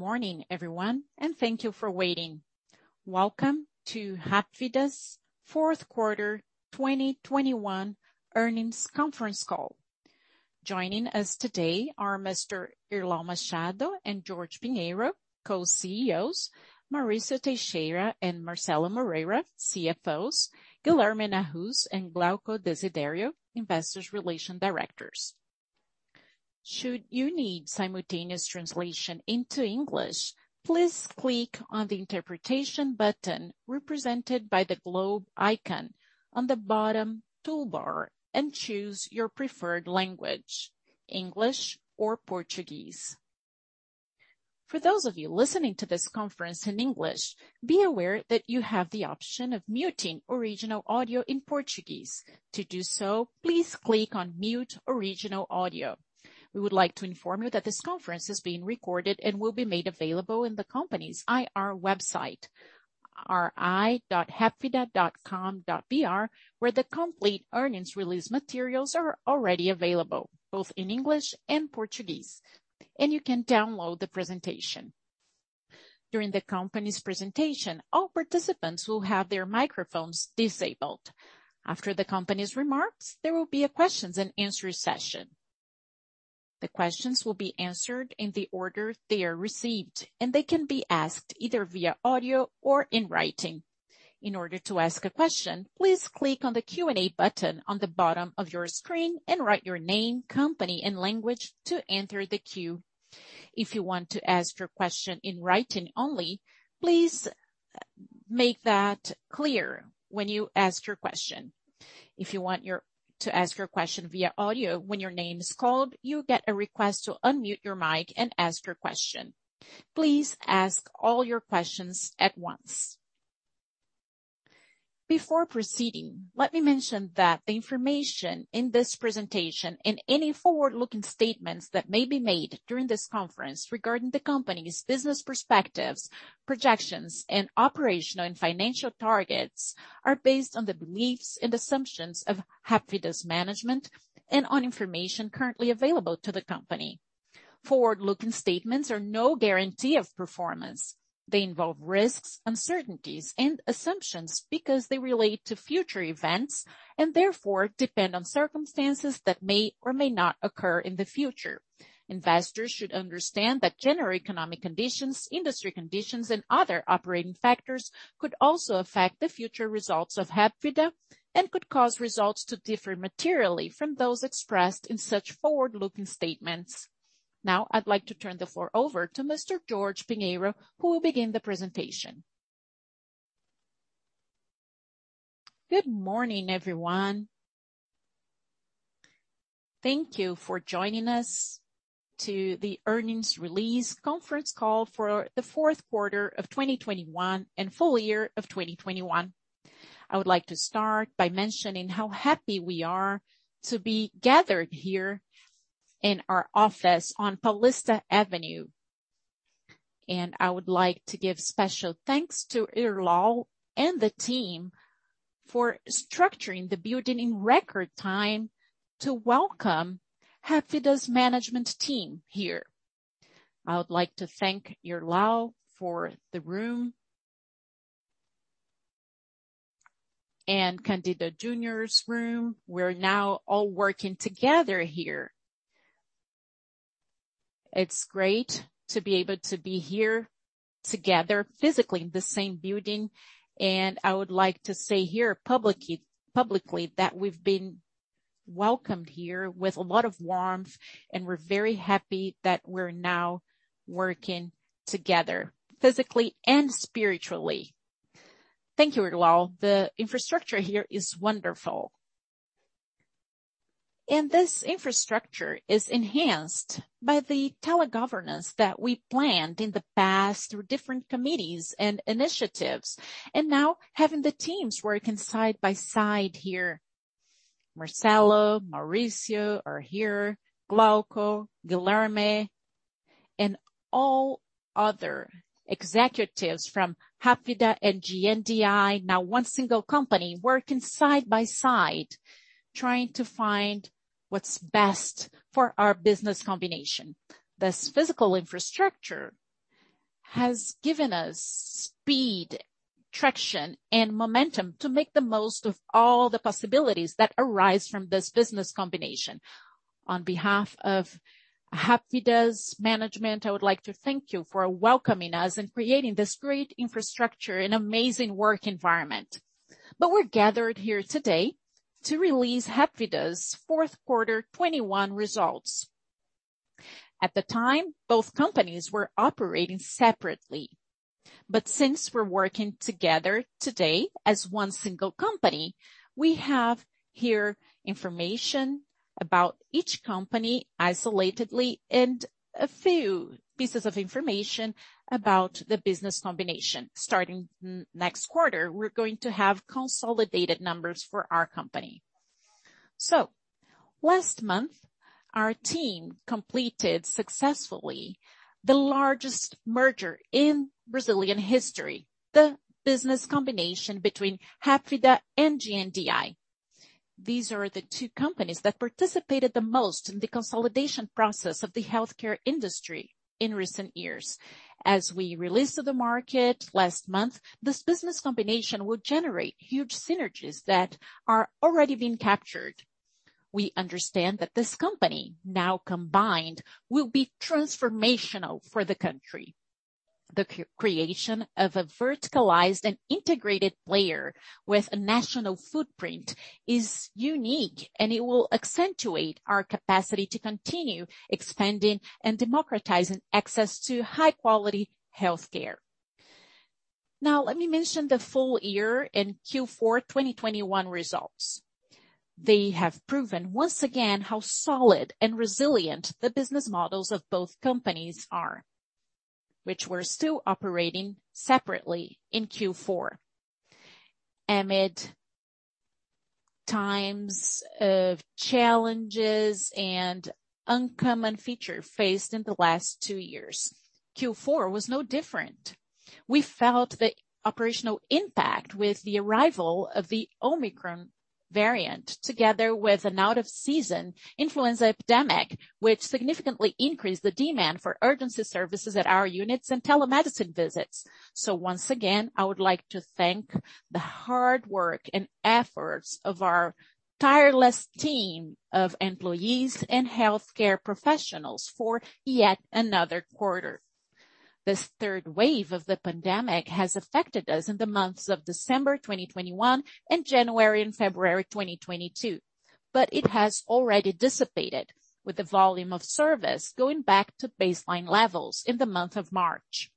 Good morning, everyone, and thank you for waiting. Welcome to Hapvida's 4th quarter 2021 earnings conference call. Joining us today are Mr. Irlau Machado and Jorge Pinheiro, Co-CEOs, Maurício Teixeira and Marcelo Moreira, CFOs, Guilherme Nahuz and Glauco Desiderio, Investor Relations Directors. Should you need simultaneous translation into English, please click on the interpretation button represented by the globe icon on the bottom toolbar and choose your preferred language, English or Portuguese. For those of you listening to this conference in English, be aware that you have the option of muting original audio in Portuguese. To do so, please click on Mute Original Audio. We would like to inform you that this conference is being recorded and will be made available in the company's IR website, ri.hapvida.com.br, where the complete earnings release materials are already available, both in English and Portuguese, and you can download the presentation. During the company's presentation, all participants will have their microphones disabled. After the company's remarks, there will be a question and answer session. The questions will be answered in the order they are received, and they can be asked either via audio or in writing. In order to ask a question, please click on the Q&A button on the bottom of your screen and write your name, company, and language to enter the queue. If you want to ask your question in writing only, please make that clear when you ask your question. If you want to ask your question via audio, when your name is called, you'll get a request to unmute your mic and ask your question. Please ask all your questions at once. Before proceeding, let me mention that the information in this presentation and any forward-looking statements that may be made during this conference regarding the company's business perspectives, projections, and operational and financial targets are based on the beliefs and assumptions of Hapvida's management and on information currently available to the company. Forward-looking statements are no guarantee of performance. They involve risks, uncertainties, and assumptions because they relate to future events and therefore depend on circumstances that may or may not occur in the future. Investors should understand that general economic conditions, industry conditions, and other operating factors could also affect the future results of Hapvida and could cause results to differ materially from those expressed in such forward-looking statements. Now, I'd like to turn the floor over to Mr. Jorge Pinheiro, who will begin the presentation. Good morning, everyone. Thank you for joining us to the earnings release conference call for the 4th quarter of 2021 and full year of 2021. I would like to start by mentioning how happy we are to be gathered here in our office on Paulista Avenue. I would like to give special thanks to Irlau and the team for structuring the building in record time to welcome Hapvida's management team here. I would like to thank Irlau for the room and Cândido Junior's room. We're now all working together here. It's great to be able to be here together physically in the same building, and I would like to say here publicly that we've been welcomed here with a lot of warmth, and we're very happy that we're now working together physically and spiritually. Thank you, Irlau. The infrastructure here is wonderful. This infrastructure is enhanced by the telegovernance that we planned in the past through different committees and initiatives, and now having the teams working side by side here. Marcelo, Mauricio are here, Glauco, Guilherme, and all other executives from Hapvida and GNDI, now one single company, working side by side, trying to find what's best for our business combination. This physical infrastructure has given us speed, traction, and momentum to make the most of all the possibilities that arise from this business combination. On behalf of Hapvida's management, I would like to thank you for welcoming us and creating this great infrastructure and amazing work environment. We're gathered here today to release Hapvida's 4th quarter 2021 results. At the time, both companies were operating separately. Since we're working together today as one single company, we have here information about each company isolatedly and a few pieces of information about the business combination. Starting next quarter, we're going to have consolidated numbers for our company. Last month, our team completed successfully the largest merger in Brazilian history, the business combination between Hapvida and GNDI. These are the two companies that participated the most in the consolidation process of the healthcare industry in recent years. As we released to the market last month, this business combination will generate huge synergies that are already being captured. We understand that this company, now combined, will be transformational for the country. The creation of a verticalized and integrated player with a national footprint is unique, and it will accentuate our capacity to continue expanding and democratizing access to high quality healthcare. Now, let me mention the full-year and Q4 2021 results. They have proven once again how solid and resilient the business models of both companies are, which we were still operating separately in Q4. Amid times of challenges and uncommon fever faced in the last two years, Q4 was no different. We felt the operational impact with the arrival of the Omicron variant, together with an out-of-season influenza epidemic, which significantly increased the demand for urgency services at our units and telemedicine visits. Once again, I would like to thank the hard work and efforts of our tireless team of employees and healthcare professionals for yet another quarter. This 3rd wave of the pandemic has affected us in the months of December 2021 and January and February 2022, but it has already dissipated with the volume of service going back to baseline levels in the month of March.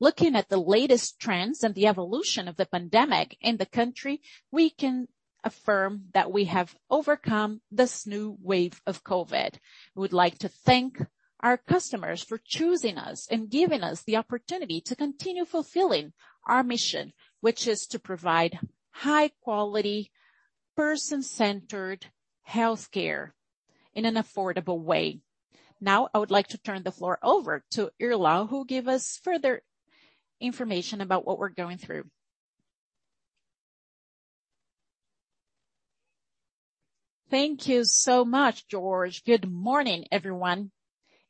Looking at the latest trends and the evolution of the pandemic in the country, we can affirm that we have overcome this new wave of COVID. We would like to thank our customers for choosing us and giving us the opportunity to continue fulfilling our mission, which is to provide high quality, person-centered healthcare in an affordable way. Now, I would like to turn the floor over to Irlau, who give us further information about what we're going through. Thank you so much, Jorge. Good morning, everyone.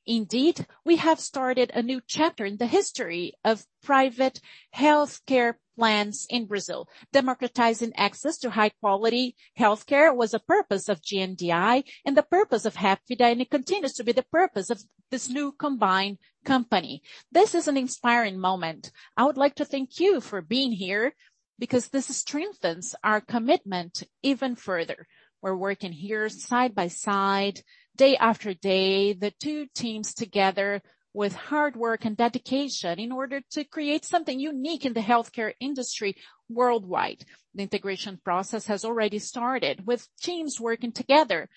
Indeed, we have started a new chapter in the history of private healthcare plans in Brazil. Democratizing access to high quality healthcare was a purpose of GNDI and the purpose of Hapvida, and it continues to be the purpose of this new combined company. This is an inspiring moment. I would like to thank you for being here because this strengthens our commitment even further. We're working here side by side, day after day, the two teams together with hard work and dedication in order to create something unique in the healthcare industry worldwide. The integration process has already started with teams working together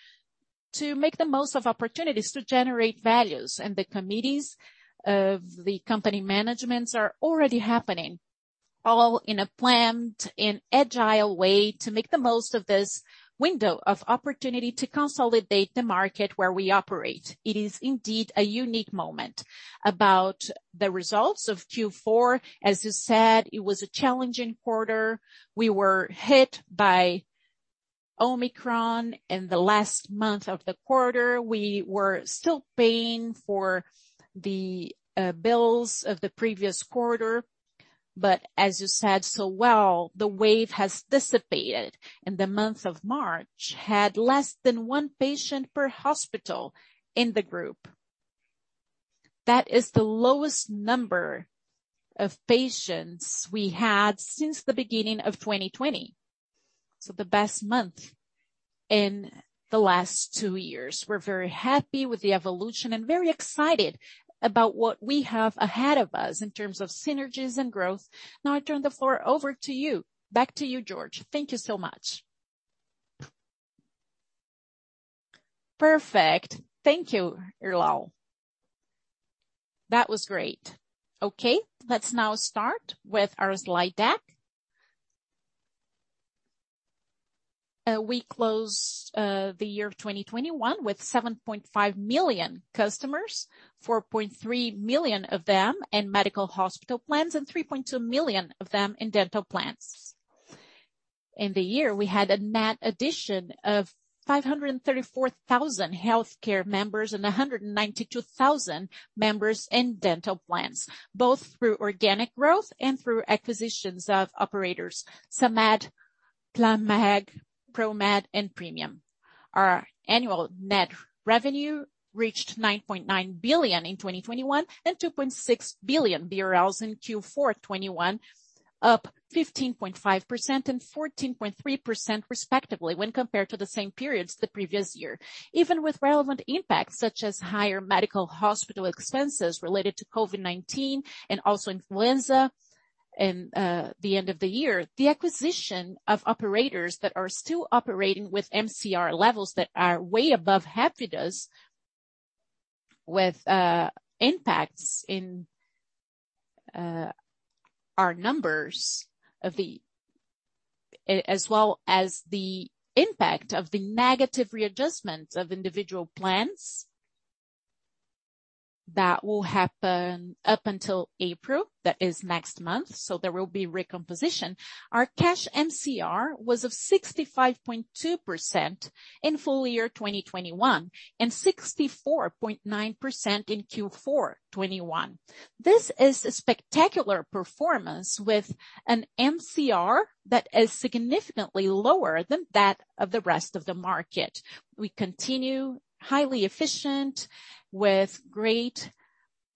to make the most of opportunities to generate values. The committees of the company managements are already happening, all in a planned and agile way to make the most of this window of opportunity to consolidate the market where we operate. It is indeed a unique moment. About the results of Q4, as you said, it was a challenging quarter. We were hit by Omicron in the last month of the quarter. We were still paying for the bills of the previous quarter. As you said so well, the wave has dissipated, and the month of March had less than one patient per hospital in the group. That is the lowest number of patients we had since the beginning of 2020. The best month in the last two years. We're very happy with the evolution and very excited about what we have ahead of us in terms of synergies and growth. Now I turn the floor over to you. Back to you, Jorge. Thank you so much. Perfect. Thank you, Irlau. That was great. Okay, let's now start with our slide deck. We closed the year 2021 with 7.5 million customers, 4.3 million of them in medical hospital plans and 3.2 million of them in dental plans. In the year we had a net addition of 534,000 healthcare members and 192,000 members in dental plans, both through organic growth and through acquisitions of operators Samedh, Plamed, Promed, and Premium Saúde. Our annual net revenue reached 9.9 billion in 2021 and 2.6 billion BRL in Q4 2021, up 15.5% and 14.3% respectively when compared to the same periods the previous year. Even with relevant impacts such as higher medical hospital expenses related to COVID-19 and also influenza in the end of the year, the acquisition of operators that are still operating with MCR levels that are way above Hapvida's with impacts in our numbers as well as the impact of the negative readjustment of individual plans that will happen up until April, that is next month. There will be recomposition. Our cash MCR was 65.2% in full year 2021, and 64.9% in Q4 2021. This is a spectacular performance with an MCR that is significantly lower than that of the rest of the market. We continue highly efficient with great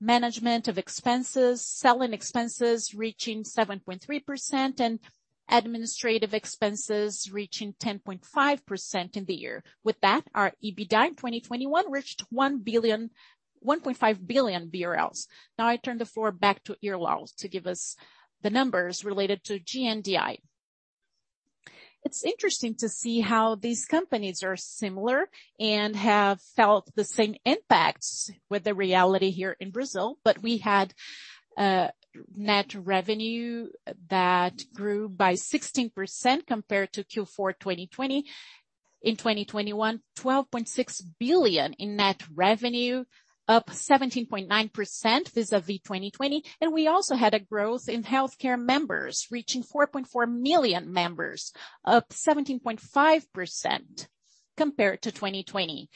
management of expenses, selling expenses reaching 7.3% and administrative expenses reaching 10.5% in the year. With that, our EBITDA in 2021 reached 1.5 billion BRL. Now I turn the floor back to Irlau to give us the numbers related to GNDI. It's interesting to see how these companies are similar and have felt the same impacts with the reality here in Brazil. We had net revenue that grew by 16% compared to Q4 2020. In 2021, 12.6 billion in net revenue, up 17.9% vis-à-vis 2020. We also had a growth in healthcare members, reaching 4.4 million members, up 17.5% compared to 2020.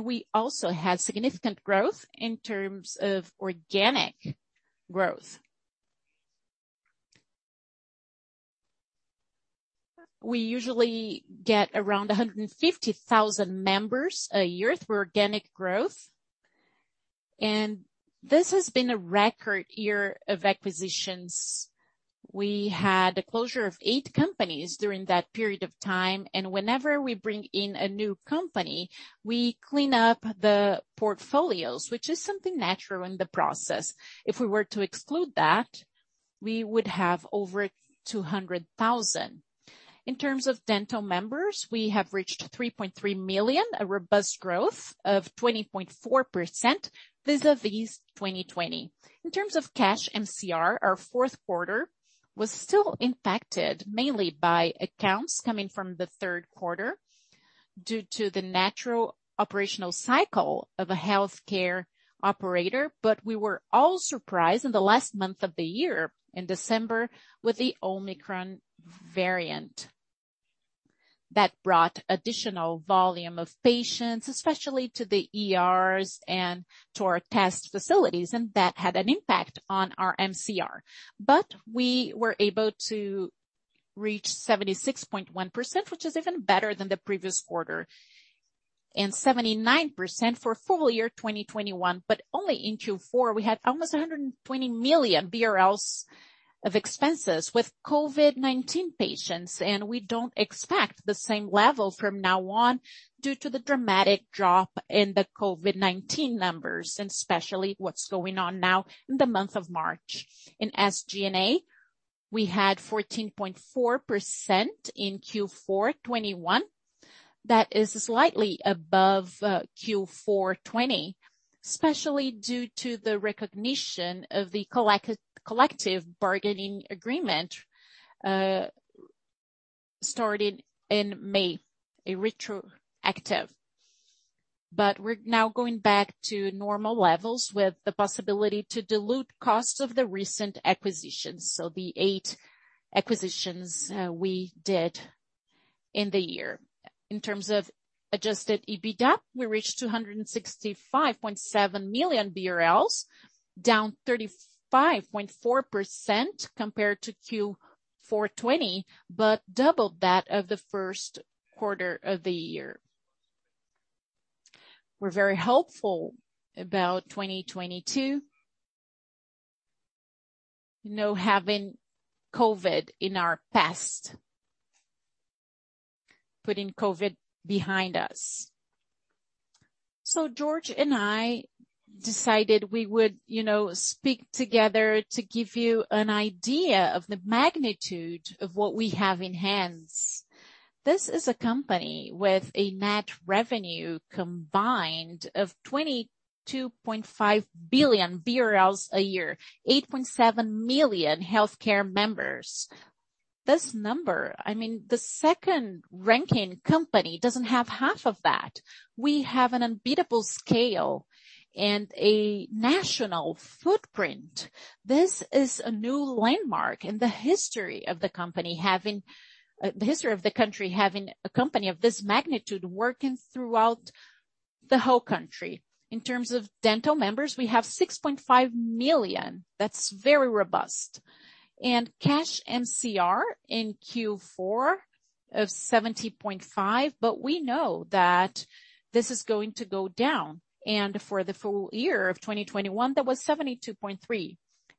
We also had significant growth in terms of organic growth. We usually get around 150,000 members a year through organic growth. This has been a record year of acquisitions. We had a closure of eight companies during that period of time. Whenever we bring in a new company, we clean up the portfolios, which is something natural in the process. If we were to exclude that, we would have over 200,000. In terms of dental members, we have reached 3.3 million, a robust growth of 20.4% vis-à-vis 2020. In terms of cash MCR, our 4th quarter was still impacted mainly by accounts coming from the 3rd quarter due to the natural operational cycle of a healthcare operator. We were all surprised in the last month of the year in December with the Omicron variant. That brought additional volume of patients, especially to the ERs and to our test facilities, and that had an impact on our MCR. We were able to reach 76.1%, which is even better than the previous quarter, and 79% for full year 2021. Only in Q4, we had almost 120 million BRL of expenses with COVID-19 patients, and we don't expect the same level from now on due to the dramatic drop in the COVID-19 numbers, and especially what's going on now in the month of March. In SG&A, we had 14.4% in Q4 2021. That is slightly above Q4 2020, especially due to the recognition of the collective bargaining agreement started in May, retroactive. We're now going back to normal levels with the possibility to dilute costs of the recent acquisitions. The eight acquisitions we did in the year. In terms of adjusted EBITDA, we reached 265.7 million BRL, down 35.4% compared to Q4 2020, but double that of the 1st quarter of the year. We're very hopeful about 2022. You know, having COVID in our past, putting COVID behind us. Jorge and I decided we would, you know, speak together to give you an idea of the magnitude of what we have in hands. This is a company with a net revenue combined of 22.5 billion BRL a year, 8.7 million healthcare members. This number, I mean, the 2nd ranking company doesn't have half of that. We have an unbeatable scale and a national footprint. This is a new landmark in the history of the company having the history of the country having a company of this magnitude working throughout the whole country. In terms of dental members, we have 6.5 million. That's very robust. Cash MCR in Q4 of 70.5%, but we know that this is going to go down. For the full year of 2021, that was 72.3%.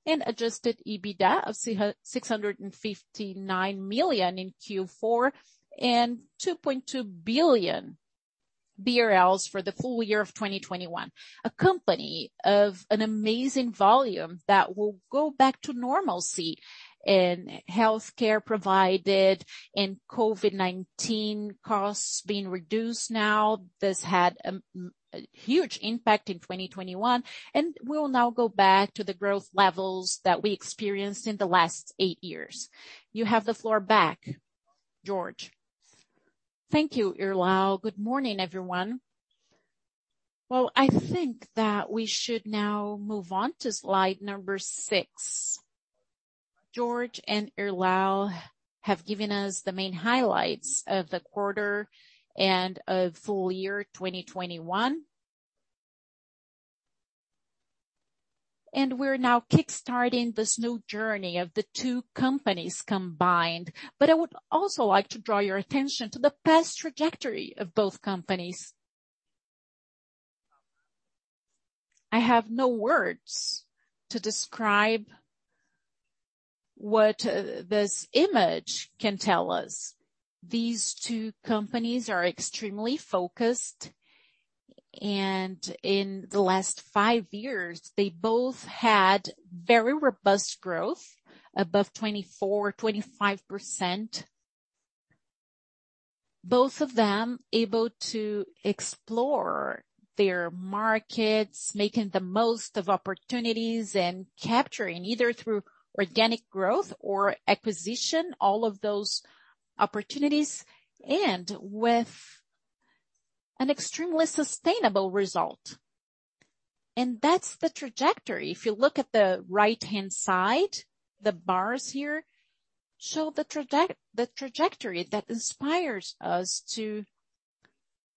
Adjusted EBITDA of 659 million in Q4, and 2.2 billion BRL for the full year of 2021. A company of an amazing volume that will go back to normalcy in healthcare provided and COVID-19 costs being reduced now. This had a huge impact in 2021, and we'll now go back to the growth levels that we experienced in the last eight years. You have the floor back, Jorge. Thank you, Irlau. Good morning, everyone. Well, I think that we should now move on to slide six. Jorge and Irlau have given us the main highlights of the quarter and of full year 2021. We're now kick-starting this new journey of the two companies combined. I would also like to draw your attention to the past trajectory of both companies. I have no words to describe what this image can tell us. These two companies are extremely focused, and in the last five years, they both had very robust growth, above 24%-25%. Both of them able to explore their markets, making the most of opportunities and capturing, either through organic growth or acquisition, all of those opportunities, and with an extremely sustainable result. That's the trajectory. If you look at the right-hand side, the bars here show the trajectory that inspires us to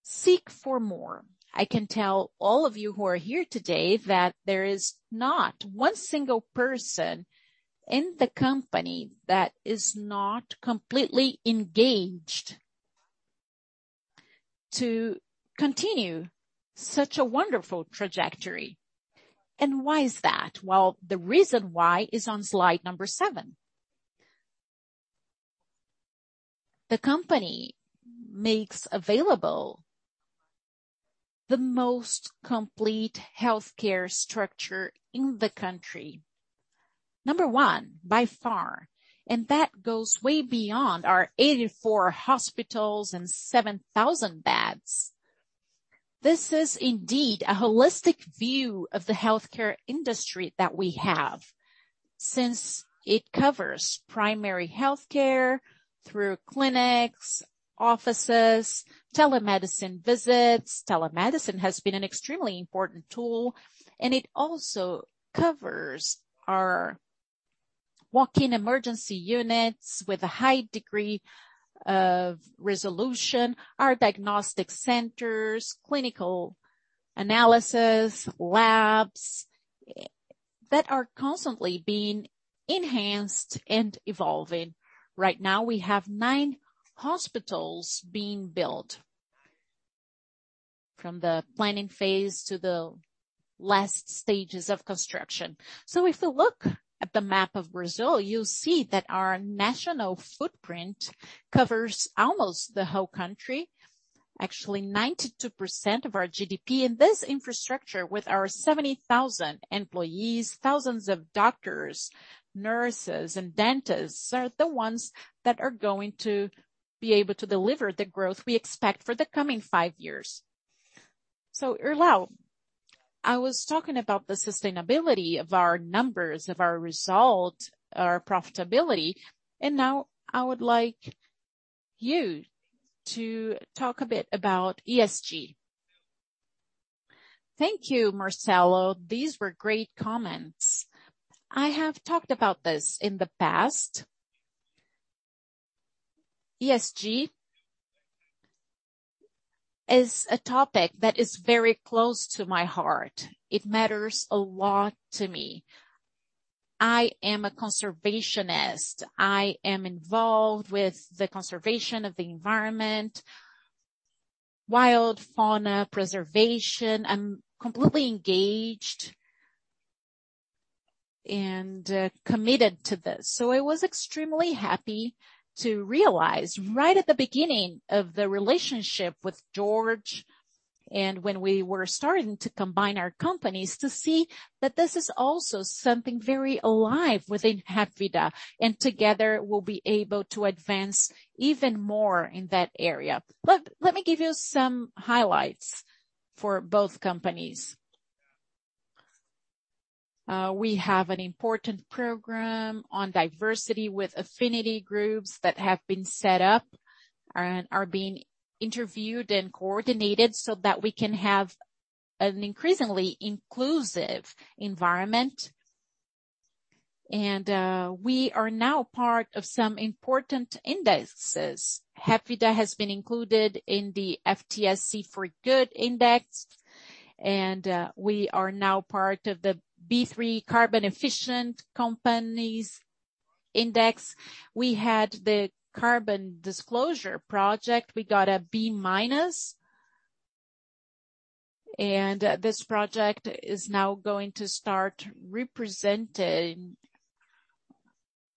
seek for more. I can tell all of you who are here today that there is not one single person in the company that is not completely engaged to continue such a wonderful trajectory. Why is that? Well, the reason why is on slide number seven. The company makes available the most complete healthcare structure in the country, number one by far, and that goes way beyond our 84 hospitals and 7,000 beds. This is indeed a holistic view of the healthcare industry that we have, since it covers primary healthcare through clinics, offices, telemedicine visits. Telemedicine has been an extremely important tool, and it also covers our walk-in emergency units with a high degree of resolution, our diagnostic centers, clinical analysis, labs that are constantly being enhanced and evolving. Right now, we have nine hospitals being built from the planning phase to the last stages of construction. If you look at the map of Brazil, you'll see that our national footprint covers almost the whole country. Actually, 92% of our GDP. This infrastructure with our 70,000 employees, thousands of doctors, nurses, and dentists, are the ones that are going to be able to deliver the growth we expect for the coming five years. Irlau, I was talking about the sustainability of our numbers, of our result, our profitability, and now I would like you to talk a bit about ESG. Thank you, Marcelo. These were great comments. I have talked about this in the past. ESG is a topic that is very close to my heart. It matters a lot to me. I am a conservationist. I am involved with the conservation of the environment, wild fauna preservation. I'm completely engaged and committed to this. I was extremely happy to realize right at the beginning of the relationship with Jorge and when we were starting to combine our companies, to see that this is also something very alive within Hapvida. Together, we'll be able to advance even more in that area. Let me give you some highlights for both companies. We have an important program on diversity with affinity groups that have been set up and are being interviewed and coordinated so that we can have an increasingly inclusive environment. We are now part of some important indexes. Hapvida has been included in the FTSE4Good Index, and we are now part of the B3 Carbon Efficient Index. We had the Carbon Disclosure Project. We got a B-. This project is now going to start representing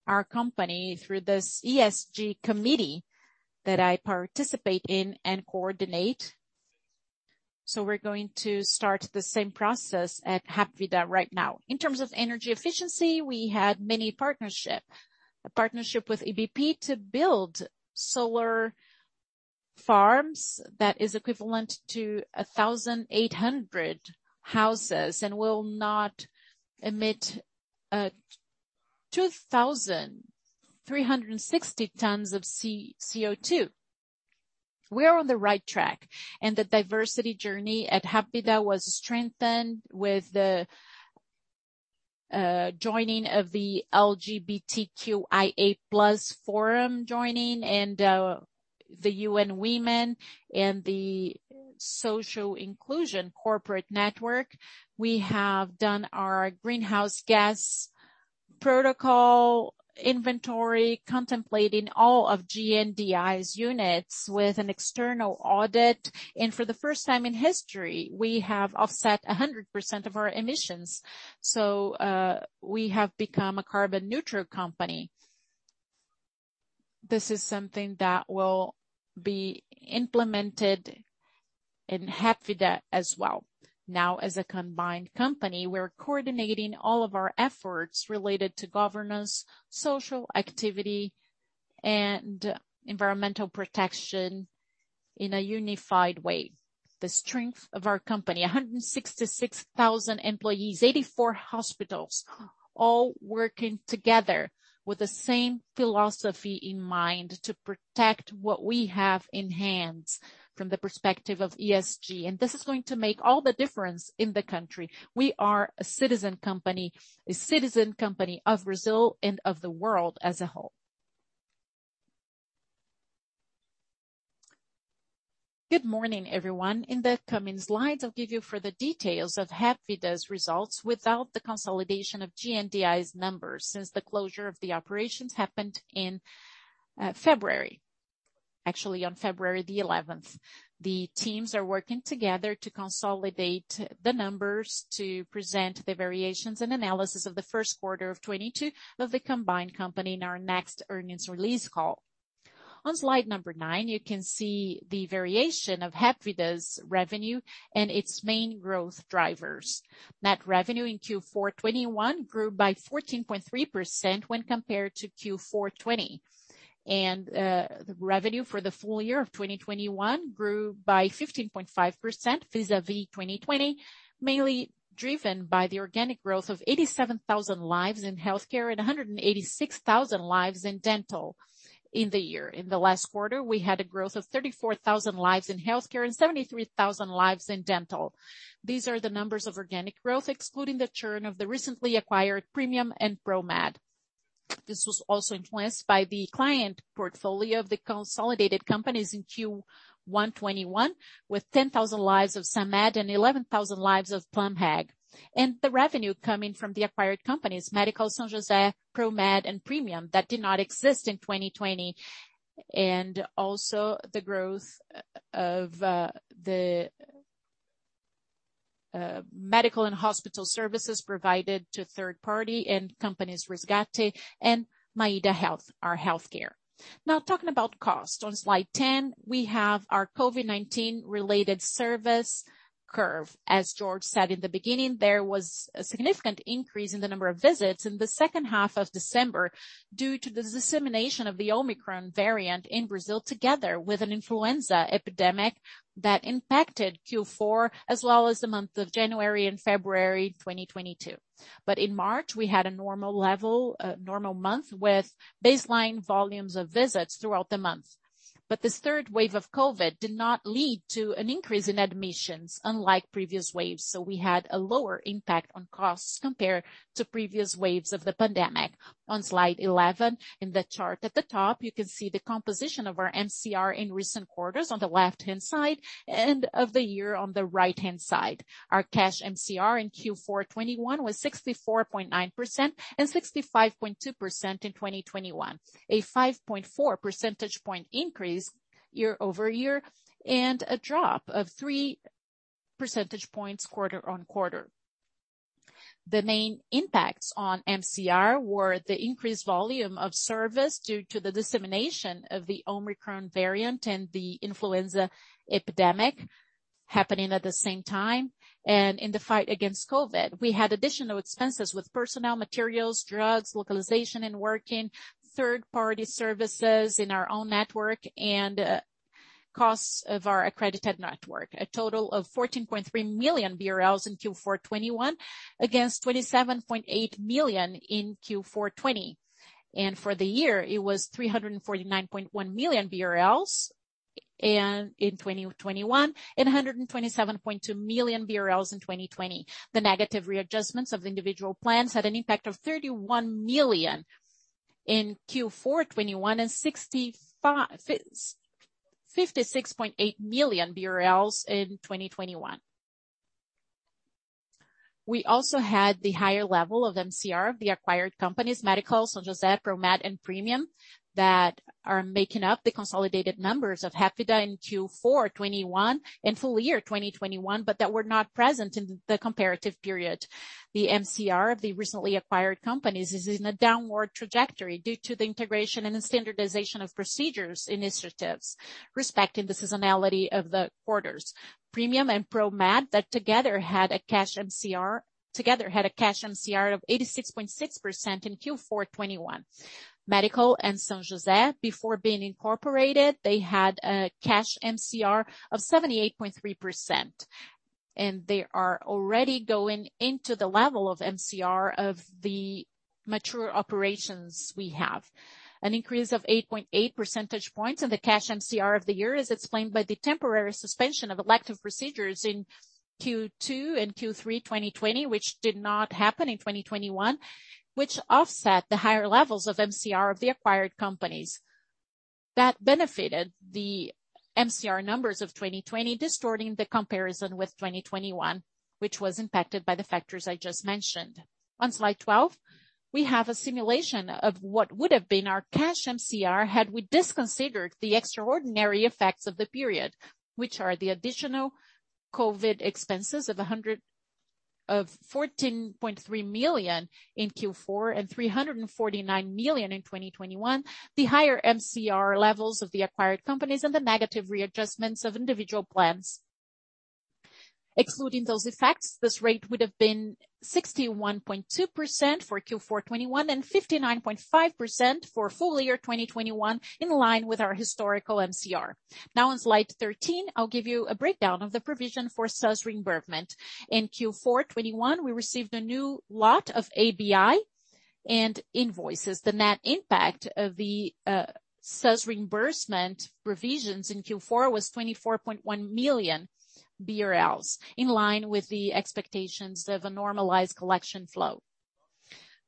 our company through this ESG committee that I participate in and coordinate. We're going to start the same process at Hapvida right now. In terms of energy efficiency, we had many partnership. A partnership with EDP to build solar farms that is equivalent to 1,800 houses and will not emit 2,360 tons of CO2. We are on the right track. The diversity journey at Hapvida was strengthened with the joining of the LGBTQIA+ forum and the UN Women and the Social Inclusion Corporate Network. We have done our Greenhouse Gas Protocol inventory, contemplating all of GNDI's units with an external audit. For the 1st time in history, we have offset 100% of our emissions. We have become a carbon-neutral company. This is something that will be implemented in Hapvida as well. Now, as a combined company, we're coordinating all of our efforts related to governance, social activity, and environmental protection in a unified way. The strength of our company, 166,000 employees, 84 hospitals, all working together with the same philosophy in mind to protect what we have in hands from the perspective of ESG. This is going to make all the difference in the country. We are a citizen company, a citizen company of Brazil and of the world as a whole. Good morning, everyone. In the coming slides, I'll give you further details of Hapvida's results without the consolidation of GNDI's numbers since the closure of the operations happened in February. Actually, on February 11th. The teams are working together to consolidate the numbers to present the variations and analysis of the 1st quarter of 2022 of the combined company in our next earnings release call. On slide nine, you can see the variation of Hapvida's revenue and its main growth drivers. Net revenue in Q4 2021 grew by 14.3% when compared to Q4 2020. The revenue for the full year of 2021 grew by 15.5% vis-à-vis 2020, mainly driven by the organic growth of 87,000 lives in healthcare and 186,000 lives in dental in the year. In the last quarter, we had a growth of 34,000 lives in healthcare and 73,000 lives in dental. These are the numbers of organic growth, excluding the churn of the recently acquired Premium and Promed. This was also influenced by the client portfolio of the consolidated companies in Q1 2021, with 10,000 lives of Samedh and 11,000 lives of Plamheg. The revenue coming from the acquired companies, São José, Promed, and Premium, that did not exist in 2020. Also the growth of the medical and hospital services provided to 3rd party and companies Resgate and Maida Health, our healthcare. Now talking about cost. On slide 10, we have our COVID-19 related service curve. As Jorge said in the beginning, there was a significant increase in the number of visits in the 2nd half of December due to the dissemination of the Omicron variant in Brazil, together with an influenza epidemic that impacted Q4 as well as the month of January and February 2022. In March, we had a normal month with baseline volumes of visits throughout the month. This 3rd wave of COVID did not lead to an increase in admissions, unlike previous waves. We had a lower impact on costs compared to previous waves of the pandemic. On slide 11, in the chart at the top, you can see the composition of our MCR in recent quarters on the left-hand side and of the year on the right-hand side. Our cash MCR in Q4 2021 was 64.9% and 65.2% in 2021. A 5.4 percentage point increase year-over-year, and a drop of 3 percentage points quarter-over-quarter. The main impacts on MCR were the increased volume of service due to the dissemination of the Omicron variant and the influenza epidemic happening at the same time. In the fight against COVID, we had additional expenses with personnel, materials, drugs, localization and working, 3rd-party services in our own network, and costs of our accredited network. A total of 14.3 million BRL in Q4 2021 against 27.8 million in Q4 2020. For the year, it was 349.1 million BRL in 2021, and 127.2 million BRL in 2020. The negative readjustments of the individual plans had an impact of 31 million in Q4 2021 and 56.8 million BRL in 2021. We also had the higher level of MCR of the acquired companies, São José, Promed, and Premium, that are making up the consolidated numbers of Hapvida in Q4 2021 and full year 2021, but that were not present in the comparative period. The MCR of the recently acquired companies is in a downward trajectory due to the integration and standardization of procedures initiatives respecting the seasonality of the quarters. Premium and Promed that together had a cash MCR of 86.6% in Q4 2021. Medical and São José, before being incorporated, they had a cash MCR of 78.3%. They are already going into the level of MCR of the mature operations we have. An increase of 8.8 percentage points in the cash MCR of the year is explained by the temporary suspension of elective procedures in Q2 and Q3 2020, which did not happen in 2021, which offset the higher levels of MCR of the acquired companies. That benefited the MCR numbers of 2020, distorting the comparison with 2021, which was impacted by the factors I just mentioned. On slide twelve, we have a simulation of what would have been our cash MCR had we disconsidered the extraordinary effects of the period, which are the additional COVID expenses of 14.3 million in Q4 2021 and 349 million in 2021, the higher MCR levels of the acquired companies, and the negative readjustments of individual plans. Excluding those effects, this rate would have been 61.2% for Q4 2021 and 59.5% for full year 2021, in line with our historical MCR. Now on slide thirteen, I'll give you a breakdown of the provision for SUS reimbursement. In Q4 2021, we received a new lot of ABI and invoices. The net impact of the SUS reimbursement provisions in Q4 2021 was 24.1 million BRL, in line with the expectations of a normalized collection flow.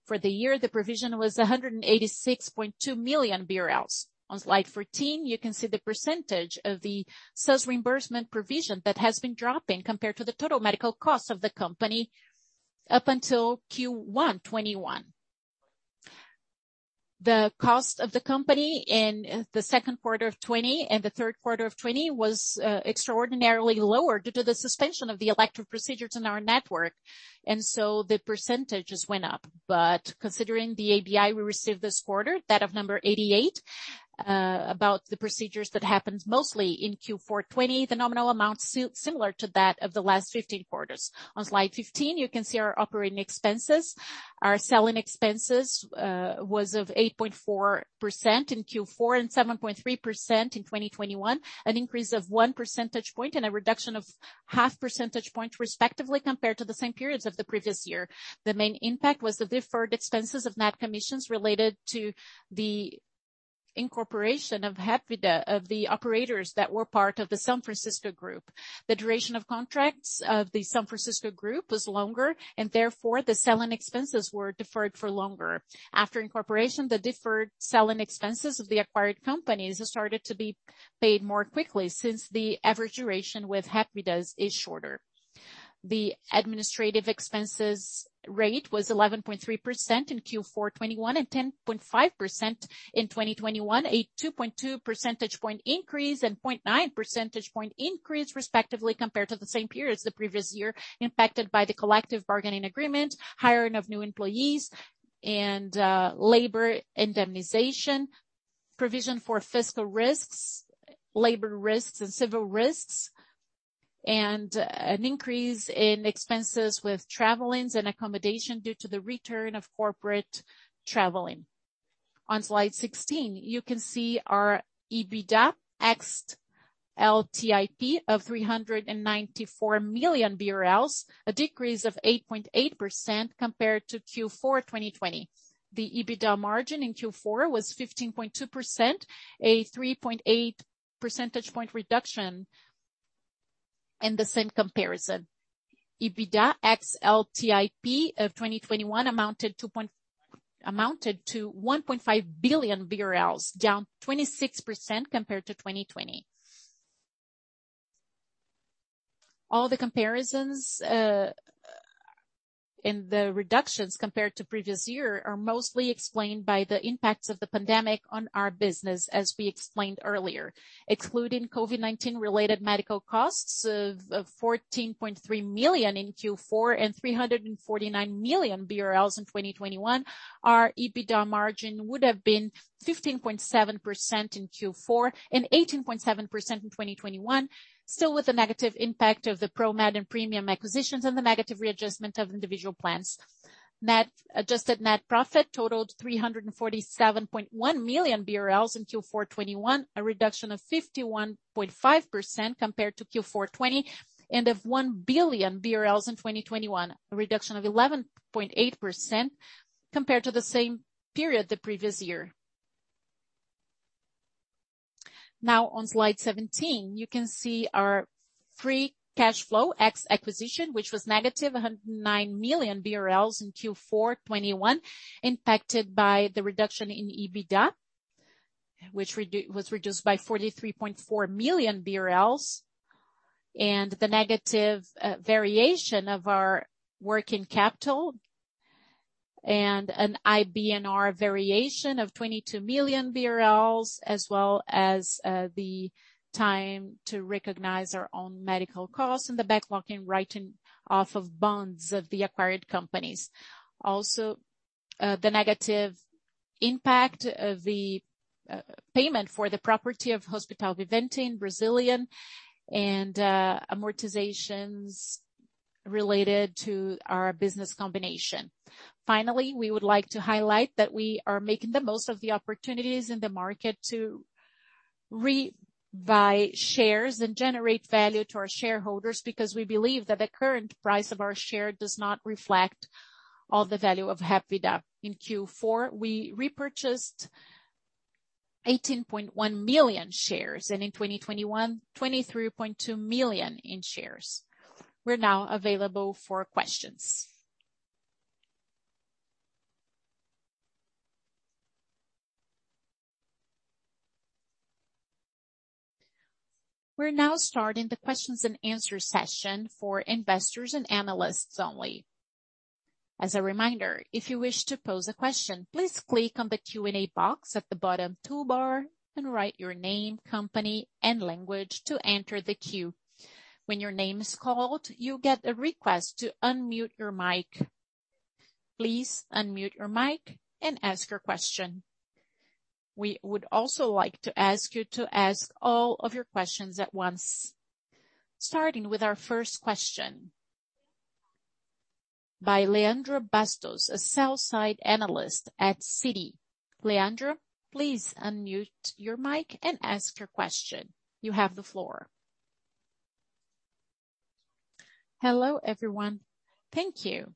For the year, the provision was 186.2 million BRL. On slide 14, you can see the percentage of the SUS reimbursement provision that has been dropping compared to the total medical cost of the company up until Q1 2021. The cost of the company in the 2nd quarter of 2020 and the 3rd quarter of 2020 was extraordinarily lower due to the suspension of the elective procedures in our network. The percentages went up. Considering the ABI we received this quarter, that of number 88, about the procedures that happened mostly in Q4 2020, the nominal amount similar to that of the last 15 quarters. On slide 15, you can see our operating expenses. Our selling expenses was 8.4% in Q4 and 7.3% in 2021, an increase of one percentage point and a reduction of half percentage point respectively compared to the same periods of the previous year. The main impact was the deferred expenses of net commissions related to the incorporation into Hapvida of the operators that were part of the São Francisco group. The duration of contracts of the São Francisco group was longer, and therefore the selling expenses were deferred for longer. After incorporation, the deferred selling expenses of the acquired companies started to be paid more quickly since the average duration with Hapvida's is shorter. The administrative expenses rate was 11.3% in Q4 2021 and 10.5% in 2021, a 2.2 percentage point increase and 0.9 percentage point increase respectively compared to the same periods the previous year, impacted by the collective bargaining agreement, hiring of new employees and labor indemnification, provision for fiscal risks, labor risks, and civil risks, and an increase in expenses with travels and accommodation due to the return of corporate traveling. On slide 16, you can see our EBITDA of 394 million BRL, a decrease of 8.8% compared to Q4 2020. The EBITDA margin in Q4 was 15.2%, a 3.8 percentage point reduction in the same comparison. EBITDA ex LTIP of 2021 amounted to 1.5 billion, down 26% compared to 2020. All the comparisons and the reductions compared to previous year are mostly explained by the impacts of the pandemic on our business, as we explained earlier. Excluding COVID-19 related medical costs of 14.3 million in Q4 2021 and 349 million BRL in 2021, our EBITDA margin would have been 15.7% in Q4 2021 and 18.7% in 2021, still with the negative impact of the Promed and Premium acquisitions and the negative readjustment of individual plans. Adjusted net profit totaled 347.1 million BRL in Q4 2021, a reduction of 51.5% compared to Q4 2020, and 1 billion BRL in 2021, a reduction of 11.8% compared to the same period the previous year. Now on slide 17, you can see our free cash flow ex acquisition, which was negative 109 million BRL in Q4 2021, impacted by the reduction in EBITDA, which was reduced by 43.4 million BRL, and the negative variation of our working capital and an IBNR variation of 22 million BRL as well as the time to recognize our own medical costs and the backlog in writing off of bonds of the acquired companies. Also, the negative impact of the payment for the property of Hospital Viventi in Brasília and amortizations related to our business combination. Finally, we would like to highlight that we are making the most of the opportunities in the market to re-buy shares and generate value to our shareholders, because we believe that the current price of our share does not reflect all the value of Hapvida. In Q4, we repurchased 18.1 million shares, and in 2021, 23.2 million shares. We're now available for questions. We're now starting the Q&A session for investors and analysts only. As a reminder, if you wish to pose a question, please click on the Q&A box at the bottom toolbar and write your name, company and language to enter the queue. When your name is called, you get a request to unmute your mic. Please unmute your mic and ask your question. We would also like to ask you to ask all of your questions at once. Starting with our 1st question by Leandro Bastos, a sell-side analyst at Citi. Leandro, please unmute your mic and ask your question. You have the floor. Hello, everyone. Thank you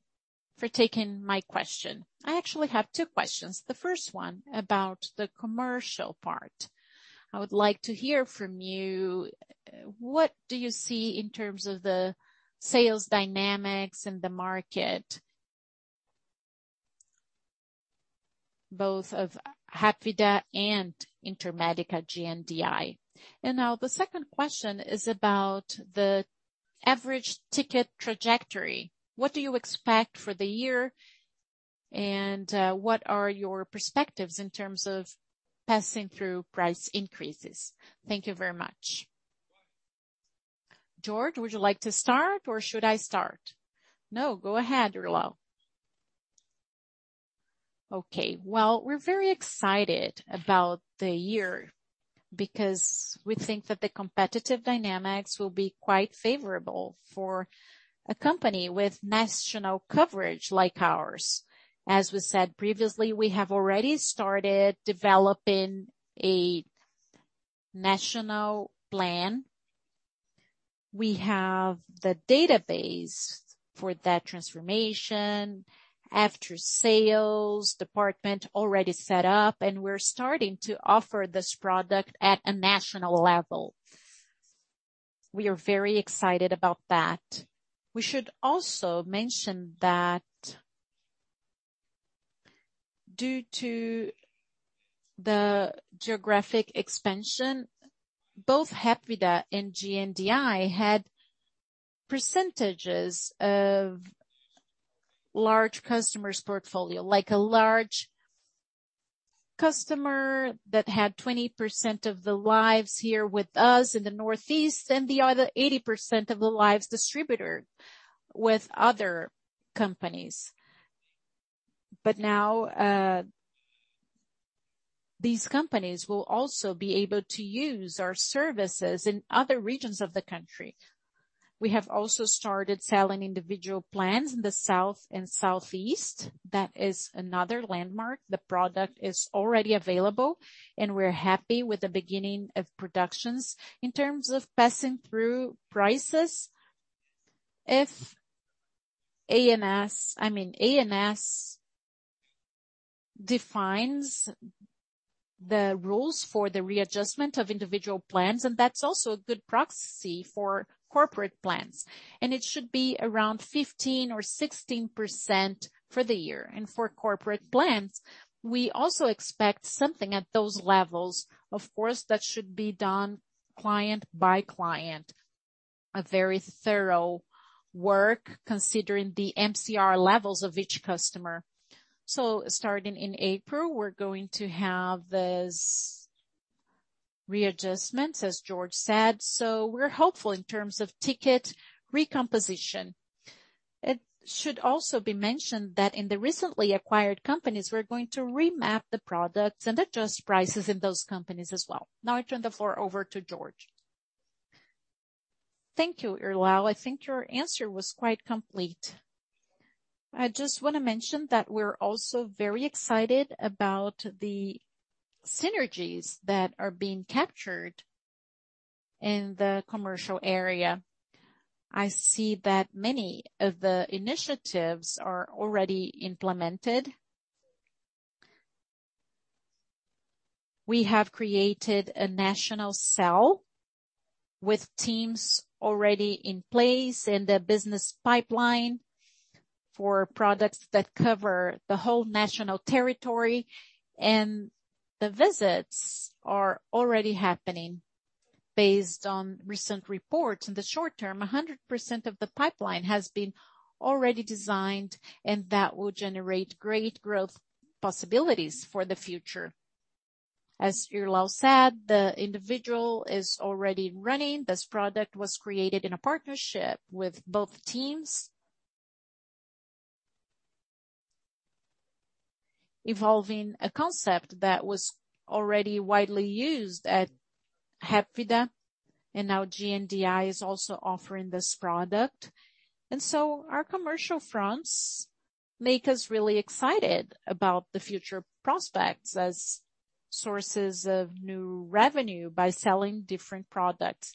for taking my question. I actually have two questions. The 1st one about the commercial part. I would like to hear from you, what do you see in terms of the sales dynamics in the market, both of Hapvida and Intermédica GNDI? And now the 2nd question is about the average ticket trajectory. What do you expect for the year, and what are your perspectives in terms of passing through price increases? Thank you very much. Jorge, would you like to start, or should I start? No, go ahead, Irlau. Okay. Well, we're very excited about the year because we think that the competitive dynamics will be quite favorable for a company with national coverage like ours. As we said previously, we have already started developing a national plan. We have the database for that transformation, after-sales department already set up, and we're starting to offer this product at a national level. We are very excited about that. We should also mention that due to the geographic expansion, both Hapvida and GNDI had percentages of large customers portfolio, like a large customer that had 20% of the lives here with us in the Northeast and the other 80% of the lives distributor with other companies. But now, these companies will also be able to use our services in other regions of the country. We have also started selling individual plans in the South and Southeast. That is another landmark. The product is already available, and we're happy with the beginning of productions. In terms of passing through prices, if ANS... I mean, ANS defines the rules for the readjustment of individual plans, and that's also a good proxy for corporate plans. It should be around 15% or 16% for the year. For corporate plans, we also expect something at those levels. Of course, that should be done client by client, a very thorough work considering the MCR levels of each customer. Starting in April, we're going to have these readjustments, as Jorge said. We're hopeful in terms of ticket recomposition. It should also be mentioned that in the recently acquired companies, we're going to remap the products and adjust prices in those companies as well. Now I turn the floor over to Jorge. Thank you, Irlau. I think your answer was quite complete. I just wanna mention that we're also very excited about the synergies that are being captured in the commercial area. I see that many of the initiatives are already implemented. We have created a national cell with teams already in place in the business pipeline for products that cover the whole national territory, and the visits are already happening based on recent reports. In the short term, 100% of the pipeline has been already designed, and that will generate great growth possibilities for the future. As Irlau said, the individual is already running. This product was created in a partnership with both teams, evolving a concept that was already widely used at Hapvida, and now GNDI is also offering this product. Our commercial fronts make us really excited about the future prospects as sources of new revenue by selling different products.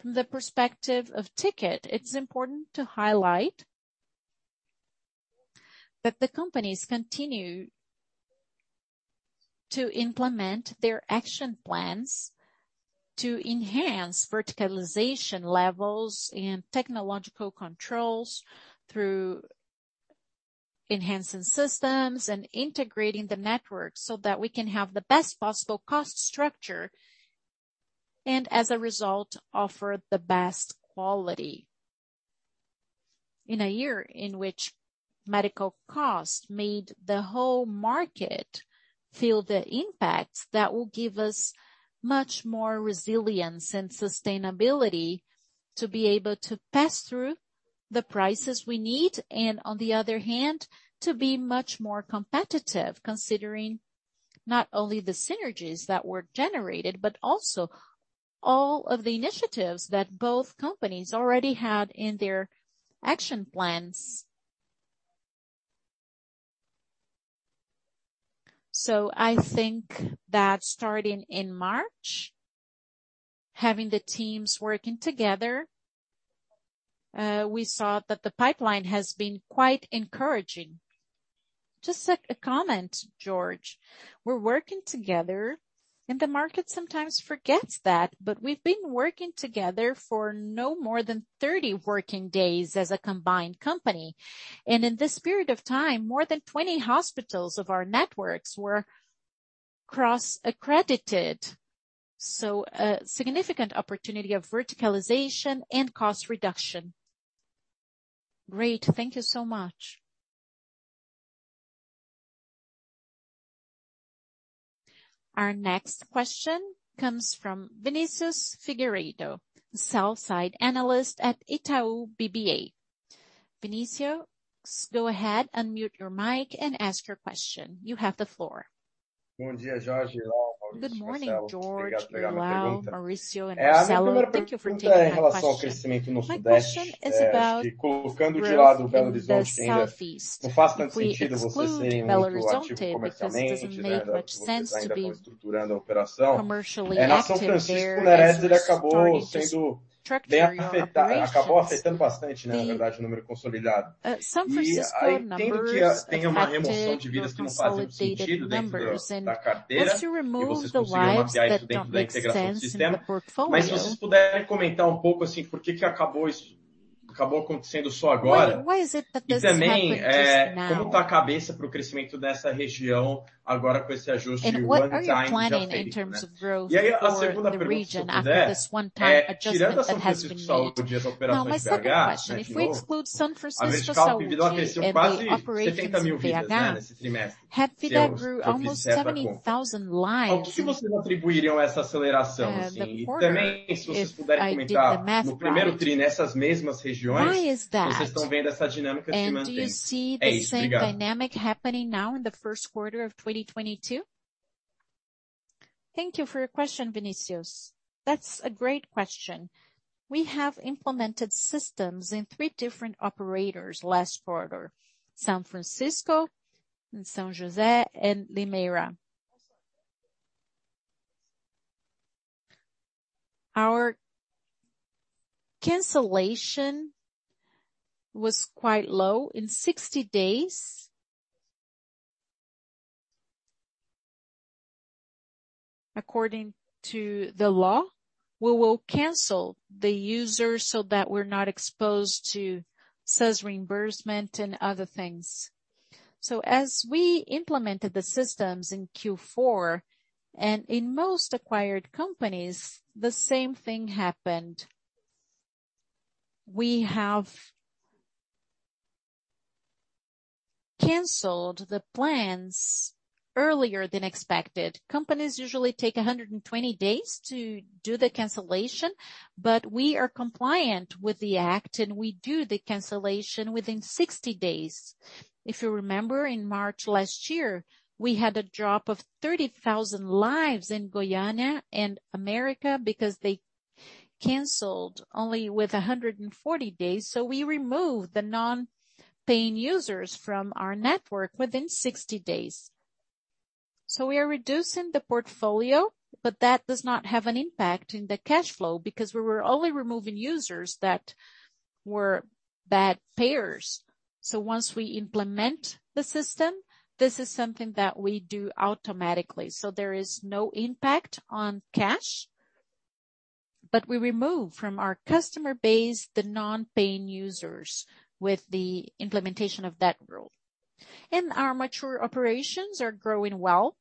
From the perspective of ticket, it's important to highlight that the companies continue to implement their action plans to enhance verticalization levels and technological controls through enhancing systems and integrating the network so that we can have the best possible cost structure, and as a result, offer the best quality. In a year in which medical costs made the whole market feel the impact, that will give us much more resilience and sustainability to be able to pass through the prices we need, and on the other hand, to be much more competitive, considering not only the synergies that were generated, but also all of the initiatives that both companies already had in their action plans. I think that starting in March, having the teams working together, we saw that the pipeline has been quite encouraging. Just a comment, Jorge. We're working together, and the market sometimes forgets that, but we've been working together for no more than 30 working days as a combined company. In this period of time, more than 20 hospitals of our networks were cross-accredited. A significant opportunity of verticalization and cost reduction. Great. Thank you so much. Our next question comes from Vinicius Figueiredo, sell-side analyst at Itaú BBA. Vinicius, go ahead, unmute your mic and ask your question. You have the floor. Good morning, Jorge, Irlau, Mauricio and Marcelo. Thank you for taking my question. My question is about growth in the Southeast. If we exclude Belo Horizonte, because it doesn't make much sense to be commercially active there as you're still restructuring your operations. The São Francisco numbers affected the consolidated numbers. Once you remove the lives that don't make sense in the portfolio. Why is it that this is happening just now? What are you planning in terms of growth for the region after this one-time adjustment that has been made? Now, my 2nd question. If we exclude São Francisco Saúde and the operations of BH, Hapvida grew almost 70,000 lives in the quarter, if I did the math right. Why is that? Do you see the same dynamic happening now in the 1st quarter of 2022? Thank you for your question, Vinicius. That's a great question. We have implemented systems in three different operators last quarter, São Francisco, São José, and Limeira. Our cancellation was quite low. In 60 days, according to the law, we will cancel the user so that we're not exposed to sales reimbursement and other things. As we implemented the systems in Q4, and in most acquired companies, the same thing happened. We have canceled the plans earlier than expected. Companies usually take 120 days to do the cancellation, but we are compliant with the act, and we do the cancellation within 60 days. If you remember, in March last year, we had a drop of 30,000 lives in Goiânia and América because they canceled only with 140 days. We removed the non-paying users from our network within 60 days. We are reducing the portfolio, but that does not have an impact in the cash flow because we were only removing users that were bad payers. Once we implement the system, this is something that we do automatically. There is no impact on cash, but we remove from our customer base the non-paying users with the implementation of that rule. Our mature operations are growing well.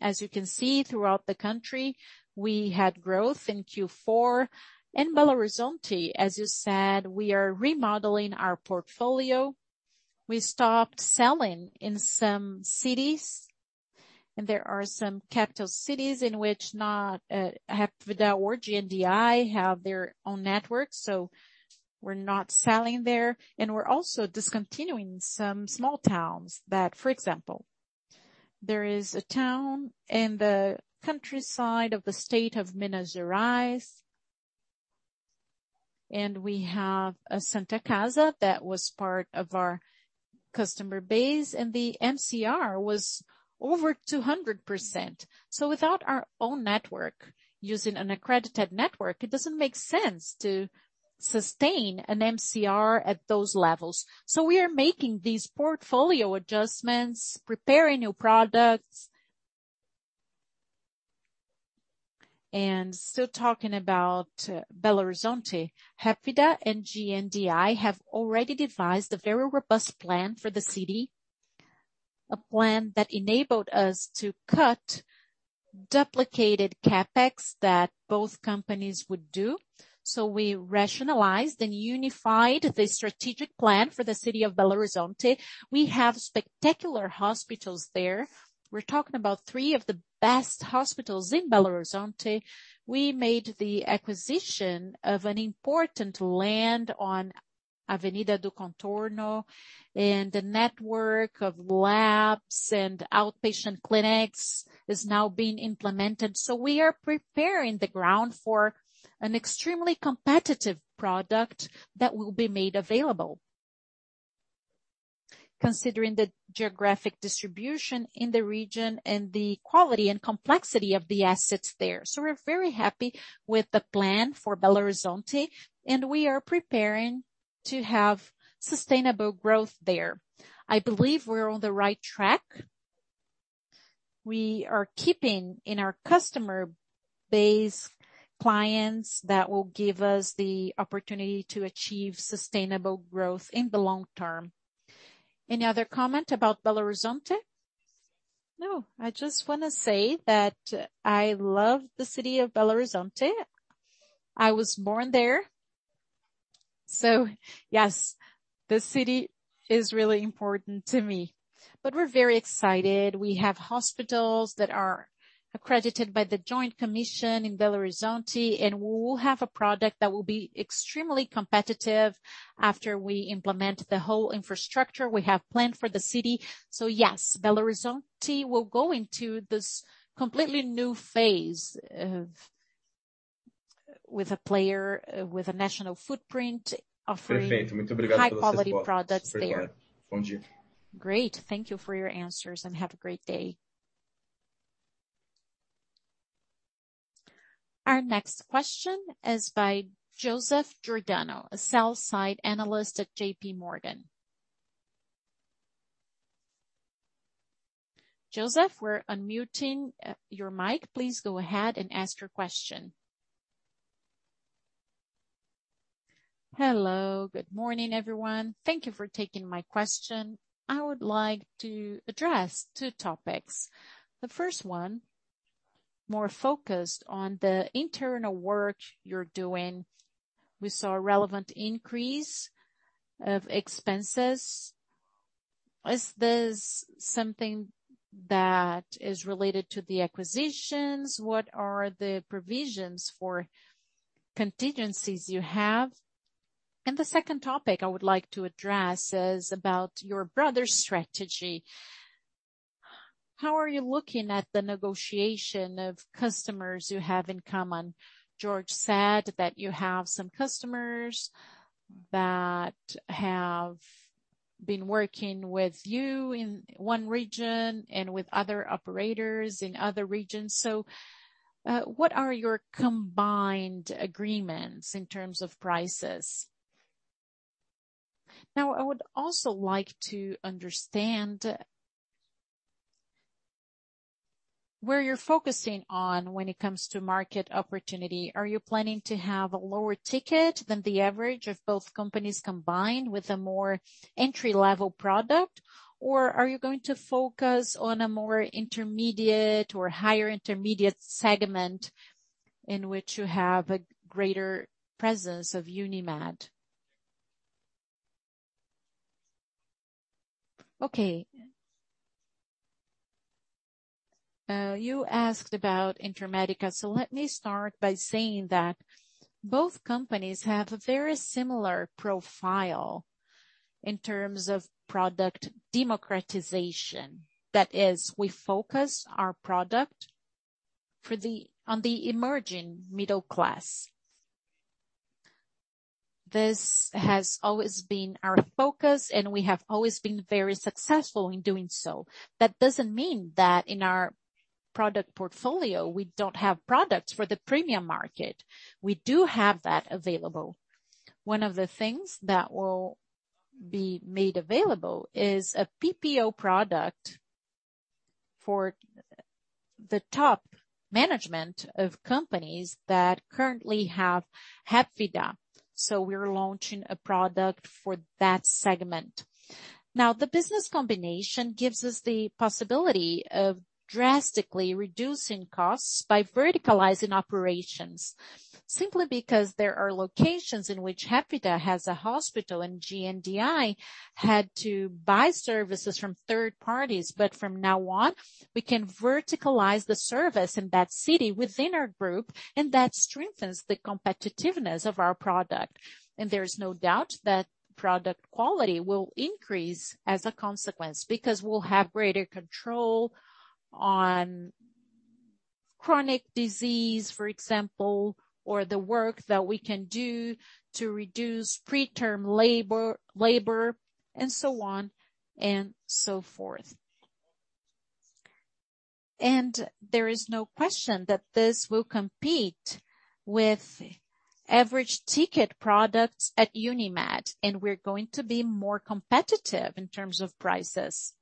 As you can see throughout the country, we had growth in Q4. In Belo Horizonte, as you said, we are remodeling our portfolio. We stopped selling in some cities. There are some capital cities in which not Hapvida or GNDI have their own network, so we're not selling there. We're also discontinuing some small towns that... For example, there is a town in the countryside of the state of Minas Gerais, and we have a Santa Casa that was part of our customer base, and the MCR was over 200%. Without our own network, using an accredited network, it doesn't make sense to sustain an MCR at those levels. We are making these portfolio adjustments, preparing new products. Still talking about Belo Horizonte, Hapvida and GNDI have already devised a very robust plan for the city. A plan that enabled us to cut duplicated CapEx that both companies would do. We rationalized and unified the strategic plan for the city of Belo Horizonte. We have spectacular hospitals there. We're talking about three of the best hospitals in Belo Horizonte. We made the acquisition of an important land on Avenida do Contorno, and a network of labs and outpatient clinics is now being implemented. We are preparing the ground for an extremely competitive product that will be made available, considering the geographic distribution in the region and the quality and complexity of the assets there. We're very happy with the plan for Belo Horizonte, and we are preparing to have sustainable growth there. I believe we're on the right track. We are keeping in our customer base clients that will give us the opportunity to achieve sustainable growth in the long term. Any other comment about Belo Horizonte? No. I just wanna say that I love the city of Belo Horizonte. I was born there. Yes, the city is really important to me. We're very excited. We have hospitals that are accredited by the Joint Commission in Belo Horizonte, and we will have a product that will be extremely competitive after we implement the whole infrastructure we have planned for the city. Yes, Belo Horizonte will go into this completely new phase of, with a player with a national footprint offering high quality products there. Great. Thank you for your answers, and have a great day. Our next question is by Joseph Giordano, a sell-side analyst at J.P. Morgan. Joseph, we're unmuting your mic. Please go ahead and ask your question. Hello. Good morning, everyone. Thank you for taking my question. I would like to address two topics. The 1st one, more focused on the internal work you're doing. We saw a relevant increase of expenses. Is this something that is related to the acquisitions? What are the provisions for contingencies you have? The 2nd topic I would like to address is about your broader strategy. How are you looking at the negotiation of customers you have in common? Jorge said that you have some customers that have been working with you in one region and with other operators in other regions. What are your combined agreements in terms of prices? I would also like to understand where you're focusing on when it comes to market opportunity. Are you planning to have a lower ticket than the average of both companies combined with a more entry-level product? Or are you going to focus on a more intermediate or higher intermediate segment in which you have a greater presence of Unimed? Okay, you asked about Intermédica. Let me start by saying that both companies have a very similar profile in terms of product democratization. That is, we focus our product on the emerging middle class. This has always been our focus, and we have always been very successful in doing so. That doesn't mean that in our product portfolio, we don't have products for the premium market. We do have that available. One of the things that will be made available is a PPO product for the top management of companies that currently have Hapvida. We're launching a product for that segment. Now, the business combination gives us the possibility of drastically reducing costs by verticalizing operations, simply because there are locations in which Hapvida has a hospital and GNDI had to buy services from 3rd parties. From now on, we can verticalize the service in that city within our group, and that strengthens the competitiveness of our product. There is no doubt that product quality will increase as a consequence, because we'll have greater control on chronic disease, for example, or the work that we can do to reduce preterm labor and so on and so forth. There is no question that this will compete with average ticket products at Unimed, and we're going to be more competitive in terms of prices.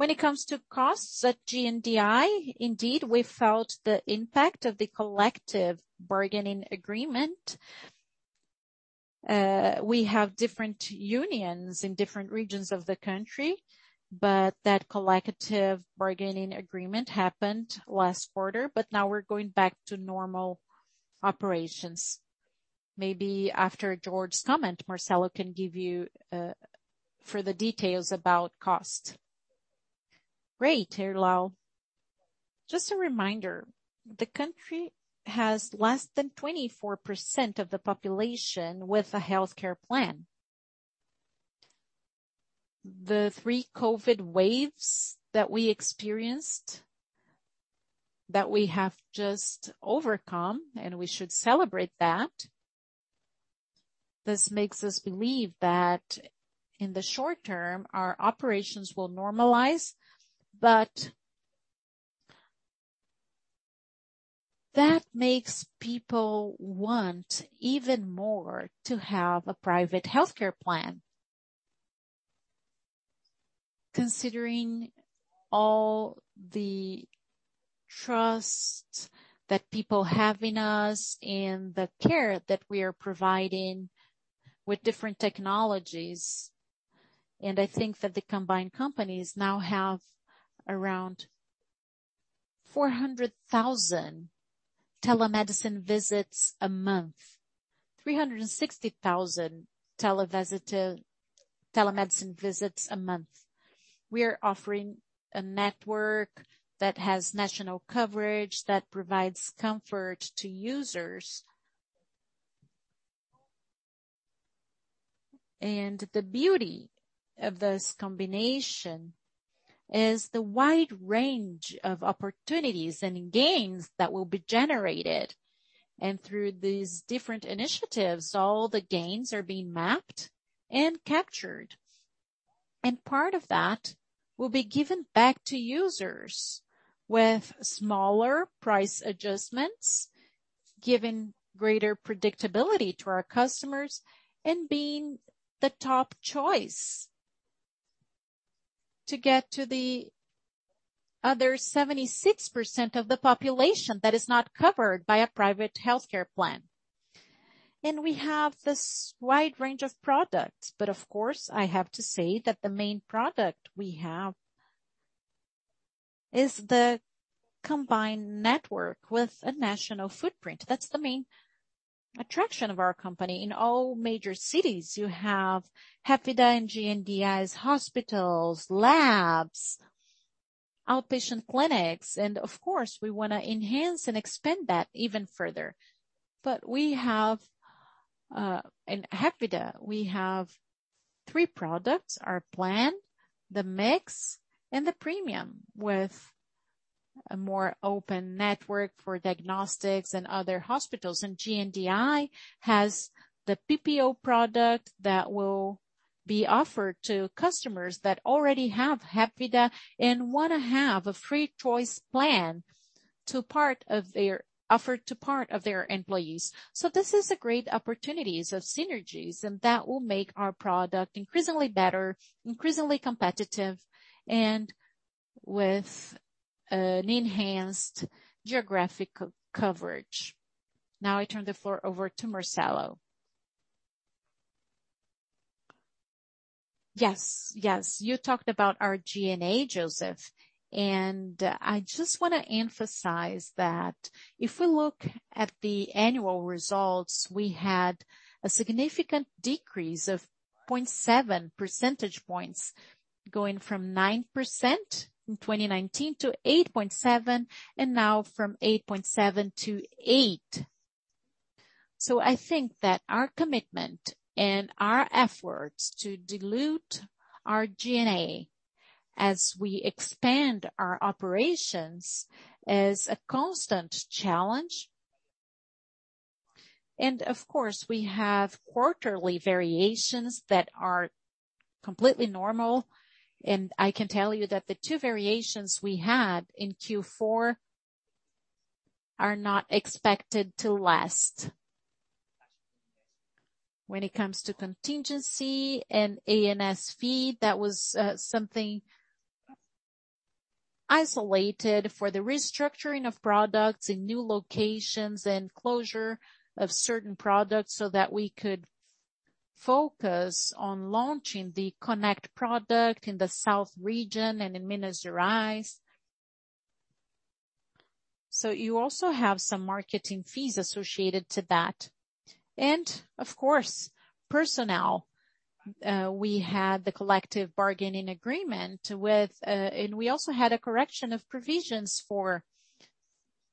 When it comes to costs at GNDI, indeed, we felt the impact of the collective bargaining agreement. We have different unions in different regions of the country, but that collective bargaining agreement happened last quarter. Now we're going back to normal operations. Maybe after Jorge's comment, Marcelo can give you further details about cost. Great. Irlau. Just a reminder, the country has less than 24% of the population with a healthcare plan. The three COVID waves that we experienced, that we have just overcome, and we should celebrate that. This makes us believe that in the short term, our operations will normalize. That makes people want even more to have a private healthcare plan. Considering all the trust that people have in us and the care that we are providing with different technologies, and I think that the combined companies now have around 400,000 telemedicine visits a month. 360,000 telemedicine visits a month. We are offering a network that has national coverage, that provides comfort to users. The beauty of this combination is the wide range of opportunities and gains that will be generated. Through these different initiatives, all the gains are being mapped and captured. Part of that will be given back to users with smaller price adjustments, giving greater predictability to our customers, and being the top choice to get to the other 76% of the population that is not covered by a private healthcare plan. We have this wide range of products, but of course, I have to say that the main product we have is the combined network with a national footprint. That's the main attraction of our company. In all major cities, you have Hapvida and GNDI's hospitals, labs, outpatient clinics, and of course, we wanna enhance and expand that even further. We have, in Hapvida, we have three products: our plan, the mix, and the premium, with a more open network for diagnostics and other hospitals. GNDI has the PPO product that will be offered to customers that already have Hapvida and wanna have a free choice plan to part of their offer to part of their employees. This is a great opportunities of synergies, and that will make our product increasingly better, increasingly competitive, and with an enhanced geographic coverage. Now I turn the floor over to Marcelo. Yes. You talked about our G&A, Joseph. I just wanna emphasize that if we look at the annual results, we had a significant decrease of 0.7 percentage points, going from 9% in 2019 to 8.7, and now from 8.7-8. I think that our commitment and our efforts to dilute our G&A as we expand our operations is a constant challenge. Of course, we have quarterly variations that are completely normal. I can tell you that the two variations we had in Q4 are not expected to last. When it comes to contingency and ANS fee, that was something isolated for the restructuring of products in new locations and closure of certain products so that we could focus on launching the Connect product in the south region and in Minas Gerais. You also have some marketing fees associated to that. Of course, personnel. We had the collective bargaining agreement, and we also had a correction of provisions for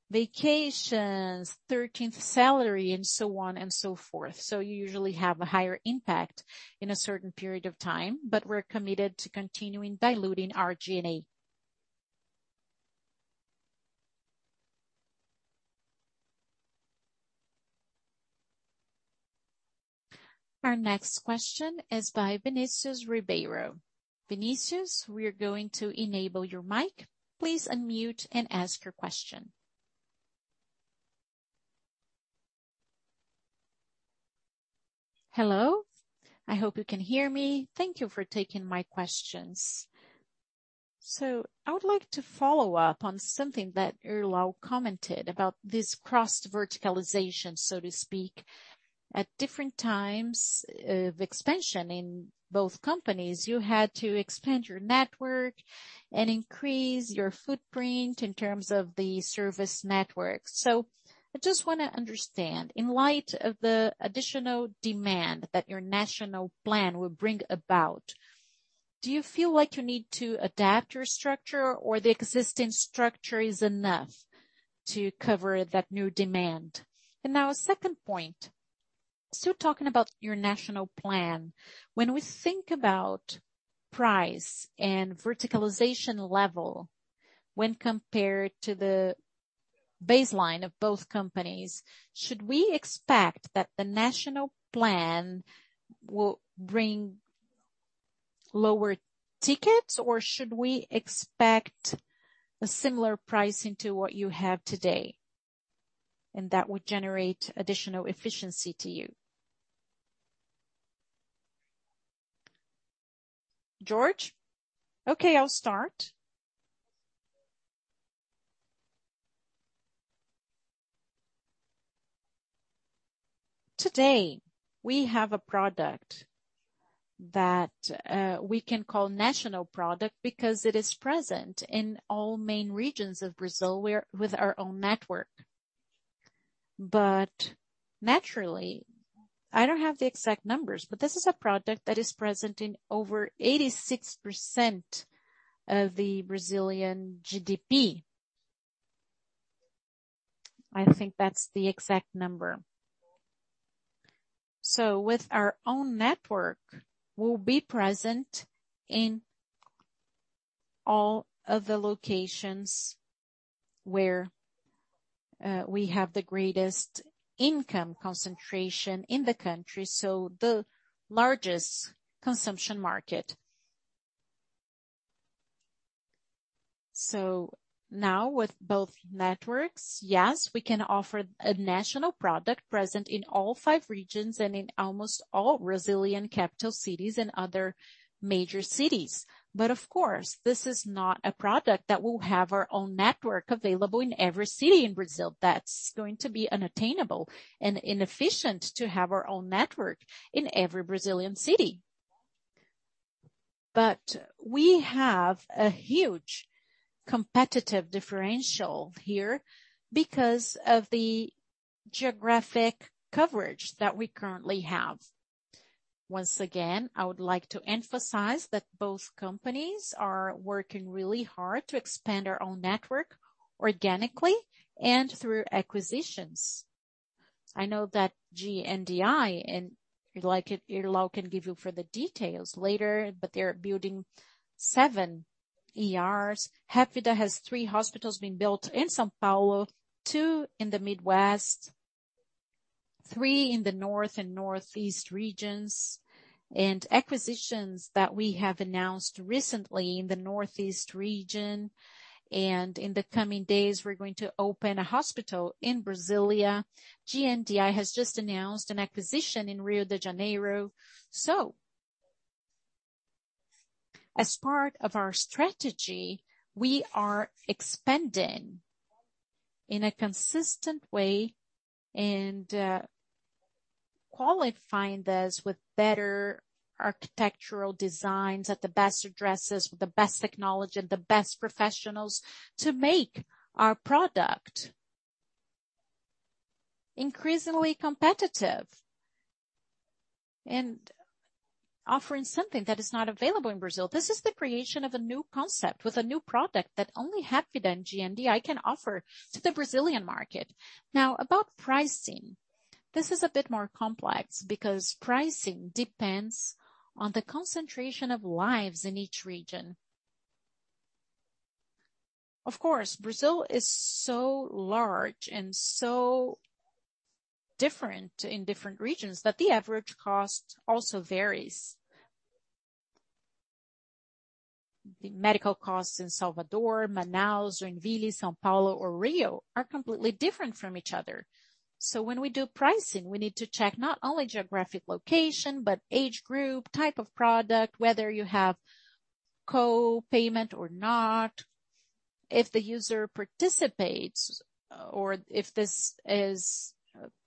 vacations, thirteenth salary and so on and so forth. You usually have a higher impact in a certain period of time, but we're committed to continuing diluting our G&A. Our next question is by Vinicius Strano. Vinicius, we are going to enable your mic. Please unmute and ask your question. Hello. I hope you can hear me. Thank you for taking my questions. I would like to follow up on something that Irlau commented about this cross verticalization, so to speak, at different times of expansion in both companies. You had to expand your network and increase your footprint in terms of the service network. I just wanna understand, in light of the additional demand that your national plan will bring about, do you feel like you need to adapt your structure or the existing structure is enough to cover that new demand? Now a 2nd point. Still talking about your national plan. When we think about price and verticalization level when compared to the baseline of both companies, should we expect that the national plan will bring lower tickets, or should we expect a similar pricing to what you have today and that would generate additional efficiency to you? Jorge. Okay, I'll start. Today, we have a product that we can call national product because it is present in all main regions of Brazil with our own network. Naturally, I don't have the exact numbers, but this is a product that is present in over 86% of the Brazilian GDP. I think that's the exact number. So with our own network, we'll be present in all of the locations where we have the greatest income concentration in the country, so the largest consumption market. Now with both networks, yes, we can offer a national product present in all five regions and in almost all Brazilian capital cities and other major cities. Of course, this is not a product that will have our own network available in every city in Brazil. That's going to be unattainable and inefficient to have our own network in every Brazilian city. We have a huge competitive differential here because of the geographic coverage that we currently have. Once again, I would like to emphasize that both companies are working really hard to expand our own network organically and through acquisitions. I know that GNDI and if you like it, Irlau can give you further details later, but they're building seven ERs. Hapvida has three hospitals being built in São Paulo, two in the Midwest, three in the north and northeast regions, and acquisitions that we have announced recently in the northeast region. In the coming days, we're going to open a hospital in Brasília. GNDI has just announced an acquisition in Rio de Janeiro. As part of our strategy, we are expanding in a consistent way and qualifying this with better architectural designs at the best addresses, with the best technology and the best professionals to make our product increasingly competitive and offering something that is not available in Brazil. This is the creation of a new concept with a new product that only Hapvida and GNDI can offer to the Brazilian market. Now, about pricing. This is a bit more complex because pricing depends on the concentration of lives in each region. Of course, Brazil is so large and so different in different regions that the average cost also varies. The medical costs in Salvador, Manaus, Joinville, São Paulo or Rio are completely different from each other. When we do pricing, we need to check not only geographic location, but age group, type of product, whether you have co-payment or not. If the user participates or if the company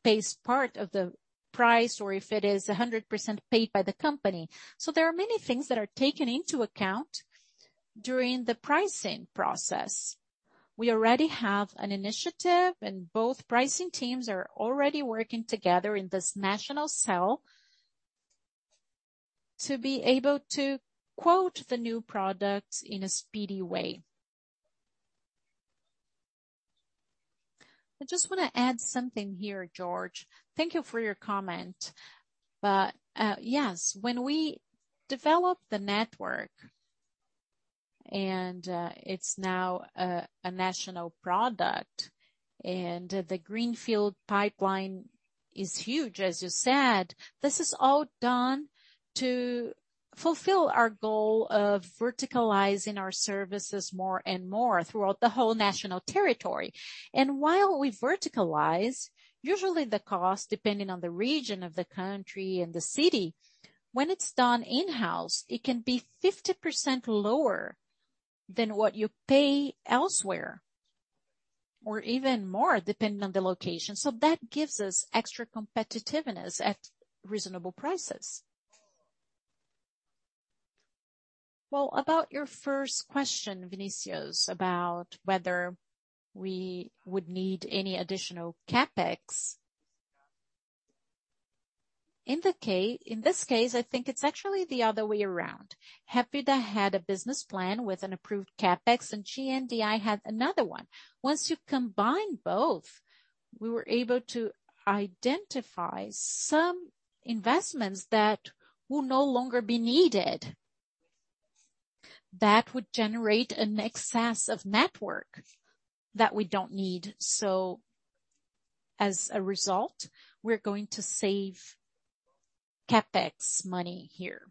pays part of the price or if it is 100% paid by the company. There are many things that are taken into account during the pricing process. We already have an initiative, and both pricing teams are already working together in this national cell to be able to quote the new products in a speedy way. I just wanna add something here, Jorge. Thank you for your comment. Yes, when we developed the network and, it's now a national product and the greenfield pipeline is huge, as you said, this is all done to fulfill our goal of verticalizing our services more and more throughout the whole national territory. While we verticalize, usually the cost, depending on the region of the country and the city, when it's done in-house, it can be 50% lower than what you pay elsewhere, or even more depending on the location. That gives us extra competitiveness at reasonable prices. Well, about your 1st question, Vinicius, about whether we would need any additional CapEx. In this case, I think it's actually the other way around. Hapvida had a business plan with an approved CapEx, and GNDI had another one. Once you combine both, we were able to identify some investments that will no longer be needed that would generate an excess of network that we don't need. As a result, we're going to save CapEx money here.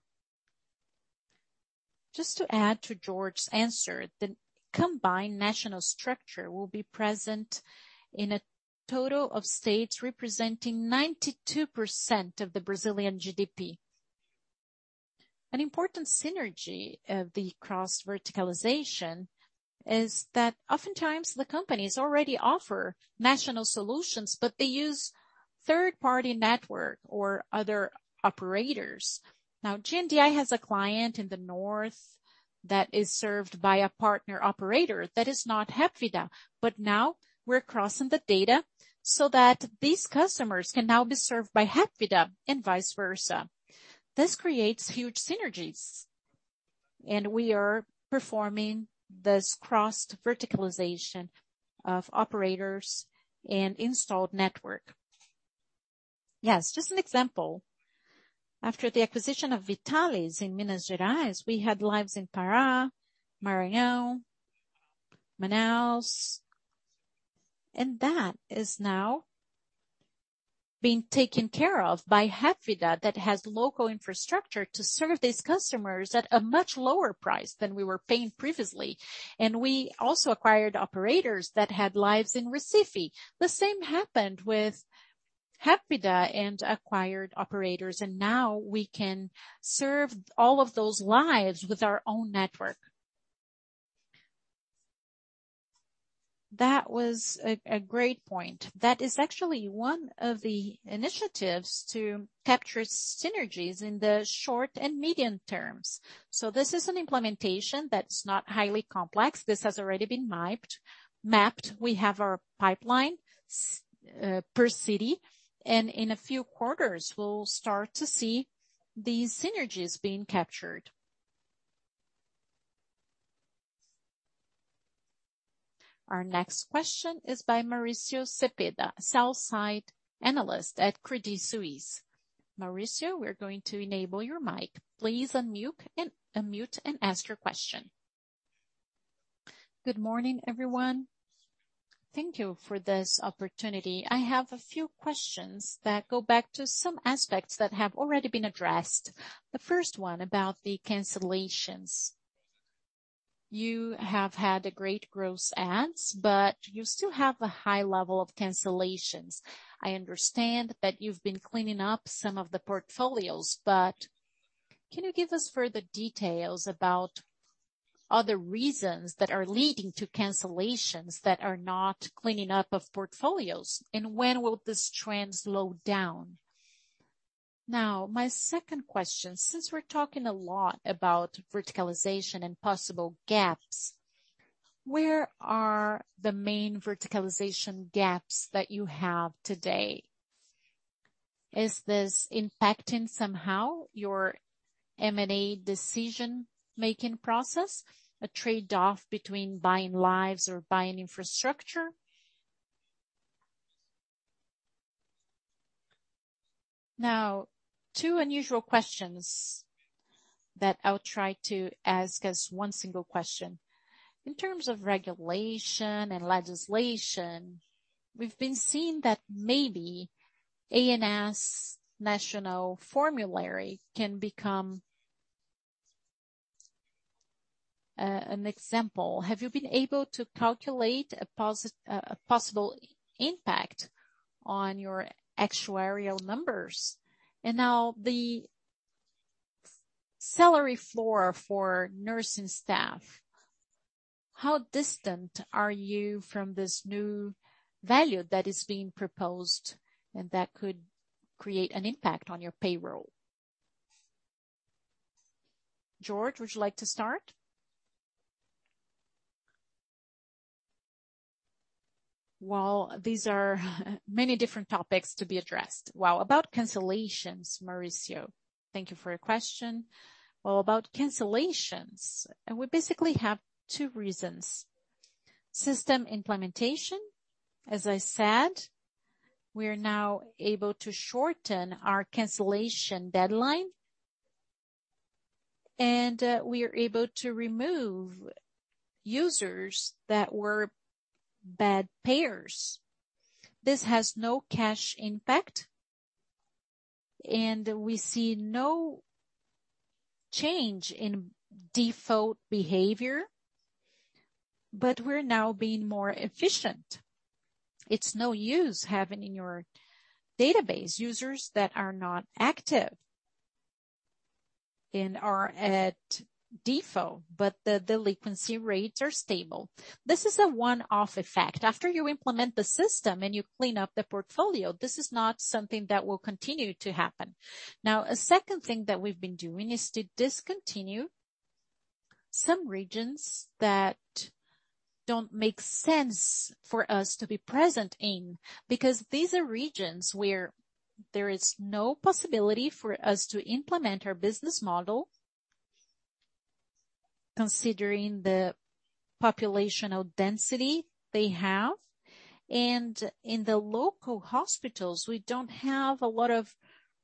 Just to add to Jorge's answer, the combined national structure will be present in a total of states representing 92% of the Brazilian GDP. An important synergy of the cross-verticalization is that oftentimes the companies already offer national solutions, but they use 3rd-party network or other operators. Now, GNDI has a client in the north that is served by a partner operator that is not Hapvida. But now we're crossing the data so that these customers can now be served by Hapvida and vice versa. This creates huge synergies, and we are performing this cross-verticalization of operators and installed network. Yes, just an example. After the acquisition of Vitallis in Minas Gerais, we had lives in Pará, Maranhão, Manaus, and that is now being taken care of by Hapvida that has local infrastructure to serve these customers at a much lower price than we were paying previously. We also acquired operators that had lives in Recife. The same happened with Hapvida and acquired operators, and now we can serve all of those lives with our own network. That was a great point. That is actually one of the initiatives to capture synergies in the short and medium terms. This is an implementation that's not highly complex. This has already been mapped. We have our pipeline per city, and in a few quarters, we'll start to see these synergies being captured. Our next question is by Mauricio Cepeda, sell-side analyst at Credit Suisse. Good morning, everyone. Thank you for this opportunity. I have a few questions that go back to some aspects that have already been addressed. The 1st one about the cancellations. You have had a great gross adds, but you still have a high level of cancellations. I understand that you've been cleaning up some of the portfolios, but can you give us further details about other reasons that are leading to cancellations that are not cleaning up of portfolios, and when will these trends slow down? Now, my 2nd question, since we're talking a lot about verticalization and possible gaps, where are the main verticalization gaps that you have today? Is this impacting somehow your M&A decision-making process, a trade-off between buying lives or buying infrastructure? Now, two unusual questions that I'll try to ask as one single question. In terms of regulation and legislation, we've been seeing that maybe ANS national formulary can become an example. Have you been able to calculate a possible impact on your actuarial numbers? Salary floor for nursing staff. How distant are you from this new value that is being proposed and that could create an impact on your payroll? Jorge, would you like to start? Well, these are many different topics to be addressed. Well, about cancellations, Mauricio. Thank you for your question. Well, about cancellations, we basically have two reasons. System implementation, as I said, we are now able to shorten our cancellation deadline, and we are able to remove users that were bad payers. This has no cash impact, and we see no change in default behavior, but we're now being more efficient. It's no use having in your database users that are not active and are at default, but the delinquency rates are stable. This is a one-off effect. After you implement the system and you clean up the portfolio, this is not something that will continue to happen. Now, a 2nd thing that we've been doing is to discontinue some regions that don't make sense for us to be present in, because these are regions where there is no possibility for us to implement our business model, considering the populational density they have. In the local hospitals, we don't have a lot of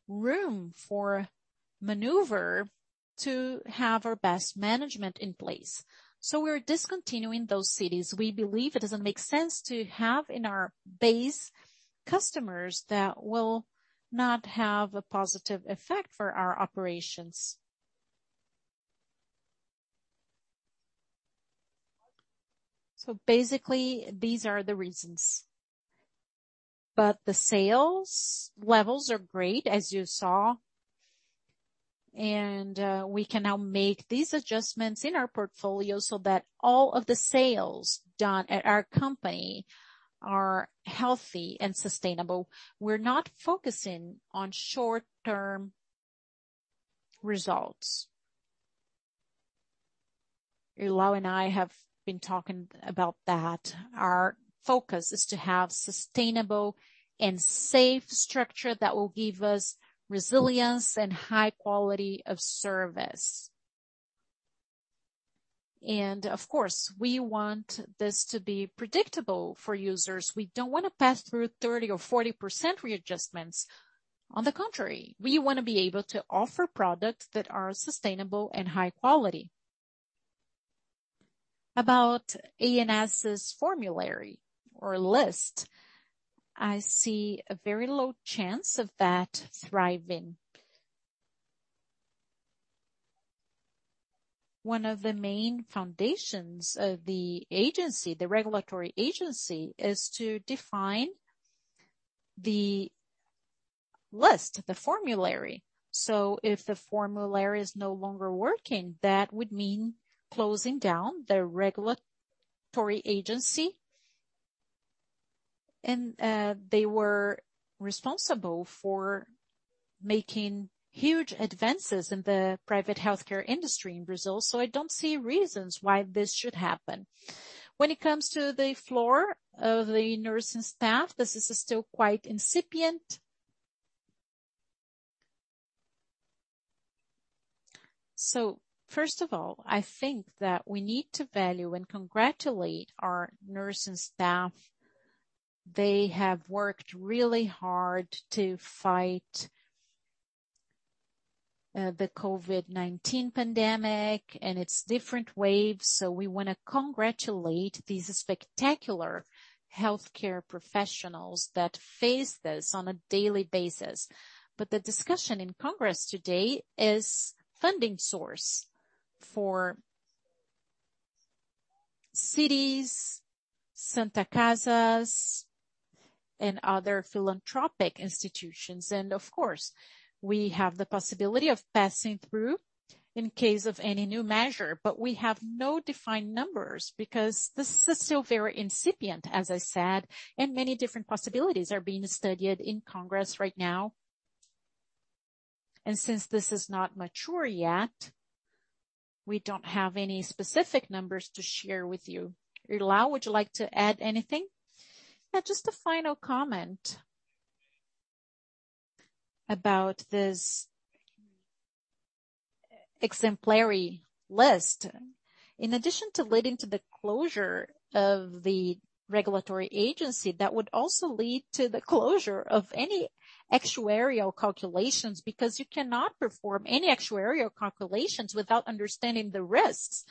room for maneuver to have our best management in place. We're discontinuing those cities. We believe it doesn't make sense to have in our base customers that will not have a positive effect for our operations. Basically these are the reasons. The sales levels are great, as you saw. We can now make these adjustments in our portfolio so that all of the sales done at our company are healthy and sustainable. We're not focusing on short-term results. Irlau and I have been talking about that. Our focus is to have sustainable and safe structure that will give us resilience and high quality of service. Of course, we want this to be predictable for users. We don't wanna pass through 30% or 40% readjustments. On the contrary, we wanna be able to offer products that are sustainable and high quality. About ANS's formulary or list, I see a very low chance of that thriving. One of the main foundations of the agency, the regulatory agency, is to define the list, the formulary. If the formulary is no longer working, that would mean closing down the regulatory agency. They were responsible for making huge advances in the private healthcare industry in Brazil, so I don't see reasons why this should happen. When it comes to the floor of the nursing staff, this is still quite incipient. First of all, I think that we need to value and congratulate our nursing staff. They have worked really hard to fight the COVID-19 pandemic and its different waves. We wanna congratulate these spectacular healthcare professionals that face this on a daily basis. The discussion in Congress today is funding source for cities, Santa Casas, and other philanthropic institutions. Of course, we have the possibility of passing through in case of any new measure. We have no defined numbers because this is still very incipient, as I said, and many different possibilities are being studied in Congress right now. Since this is not mature yet, we don't have any specific numbers to share with you. Irlau, would you like to add anything? Yeah, just a final comment about this exemplary list. In addition to leading to the closure of the regulatory agency, that would also lead to the closure of any actuarial calculations, because you cannot perform any actuarial calculations without understanding the risks.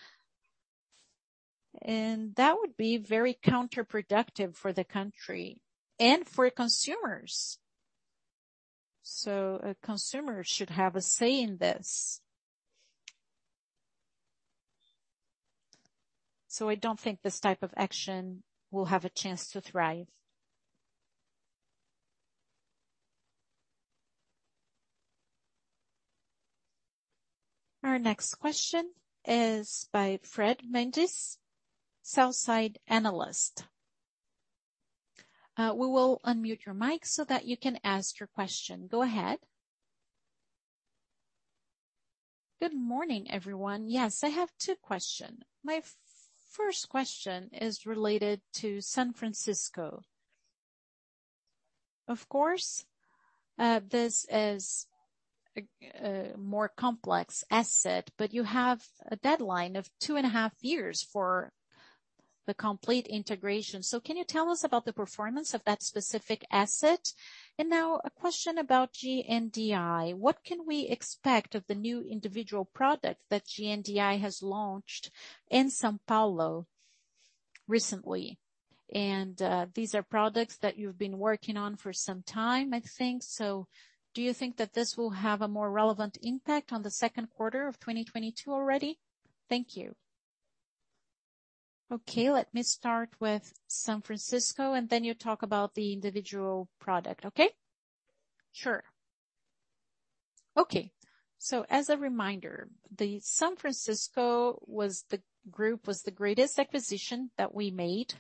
That would be very counterproductive for the country and for consumers. A consumer should have a say in this. I don't think this type of action will have a chance to thrive. Our next question is by Fred Mendes, sell-side analyst. We will unmute your mic so that you can ask your question. Go ahead. Good morning, everyone. Yes, I have two questions. My 1st question is related to São Francisco. Of course, this is a more complex asset, but you have a deadline of two and a half years for the complete integration. So can you tell us about the performance of that specific asset? Now a question about GNDI. What can we expect of the new individual product that GNDI has launched in São Paulo recently? These are products that you've been working on for some time, I think. So do you think that this will have a more relevant impact on the 2nd quarter of 2022 already? Thank you. Okay, let me start with São Francisco, and then you talk about the individual product, okay? Sure. Okay. As a reminder, the São Francisco group was the greatest acquisition that we made.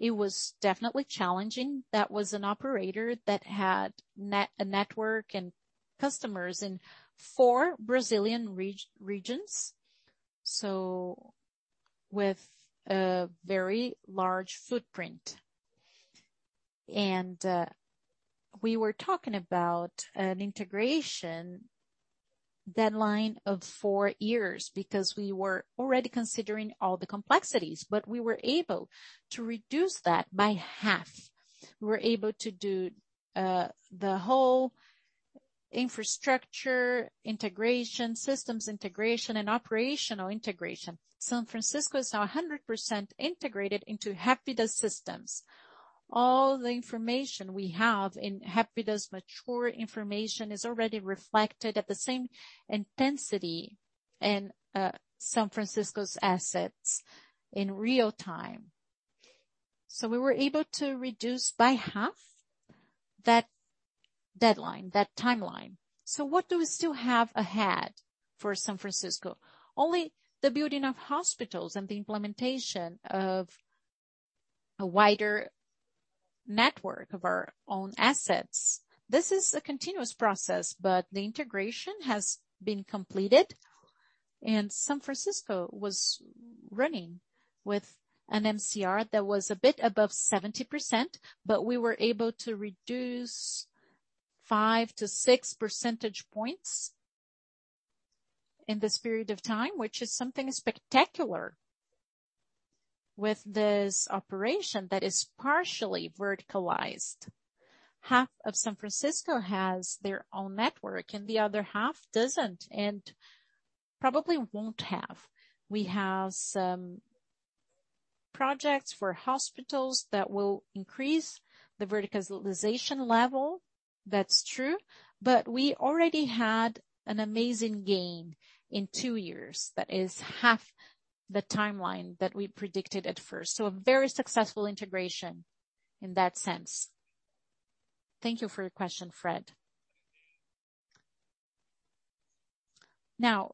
It was definitely challenging. That was an operator that had a network and customers in four Brazilian regions, so with a very large footprint. We were talking about an integration deadline of four years because we were already considering all the complexities. We were able to reduce that by half. We were able to do the whole infrastructure integration, systems integration, and operational integration. São Francisco is now 100% integrated into Hapvida's systems. All the information we have in Hapvida's mature infrastructure is already reflected at the same intensity in São Francisco's assets in real time. We were able to reduce by half that deadline, that timeline. What do we still have ahead for São Francisco? Only the building of hospitals and the implementation of a wider network of our own assets. This is a continuous process, but the integration has been completed. São Francisco was running with an MCR that was a bit above 70%, but we were able to reduce 5 percentage points-6 percentage points in this period of time, which is something spectacular with this operation that is partially verticalized. Half of São Francisco has their own network, and the other half doesn't and probably won't have. We have some projects for hospitals that will increase the verticalization level. That's true. We already had an amazing gain in two years. That is half the timeline that we predicted at 1st. A very successful integration in that sense. Thank you for your question, Fred. Now,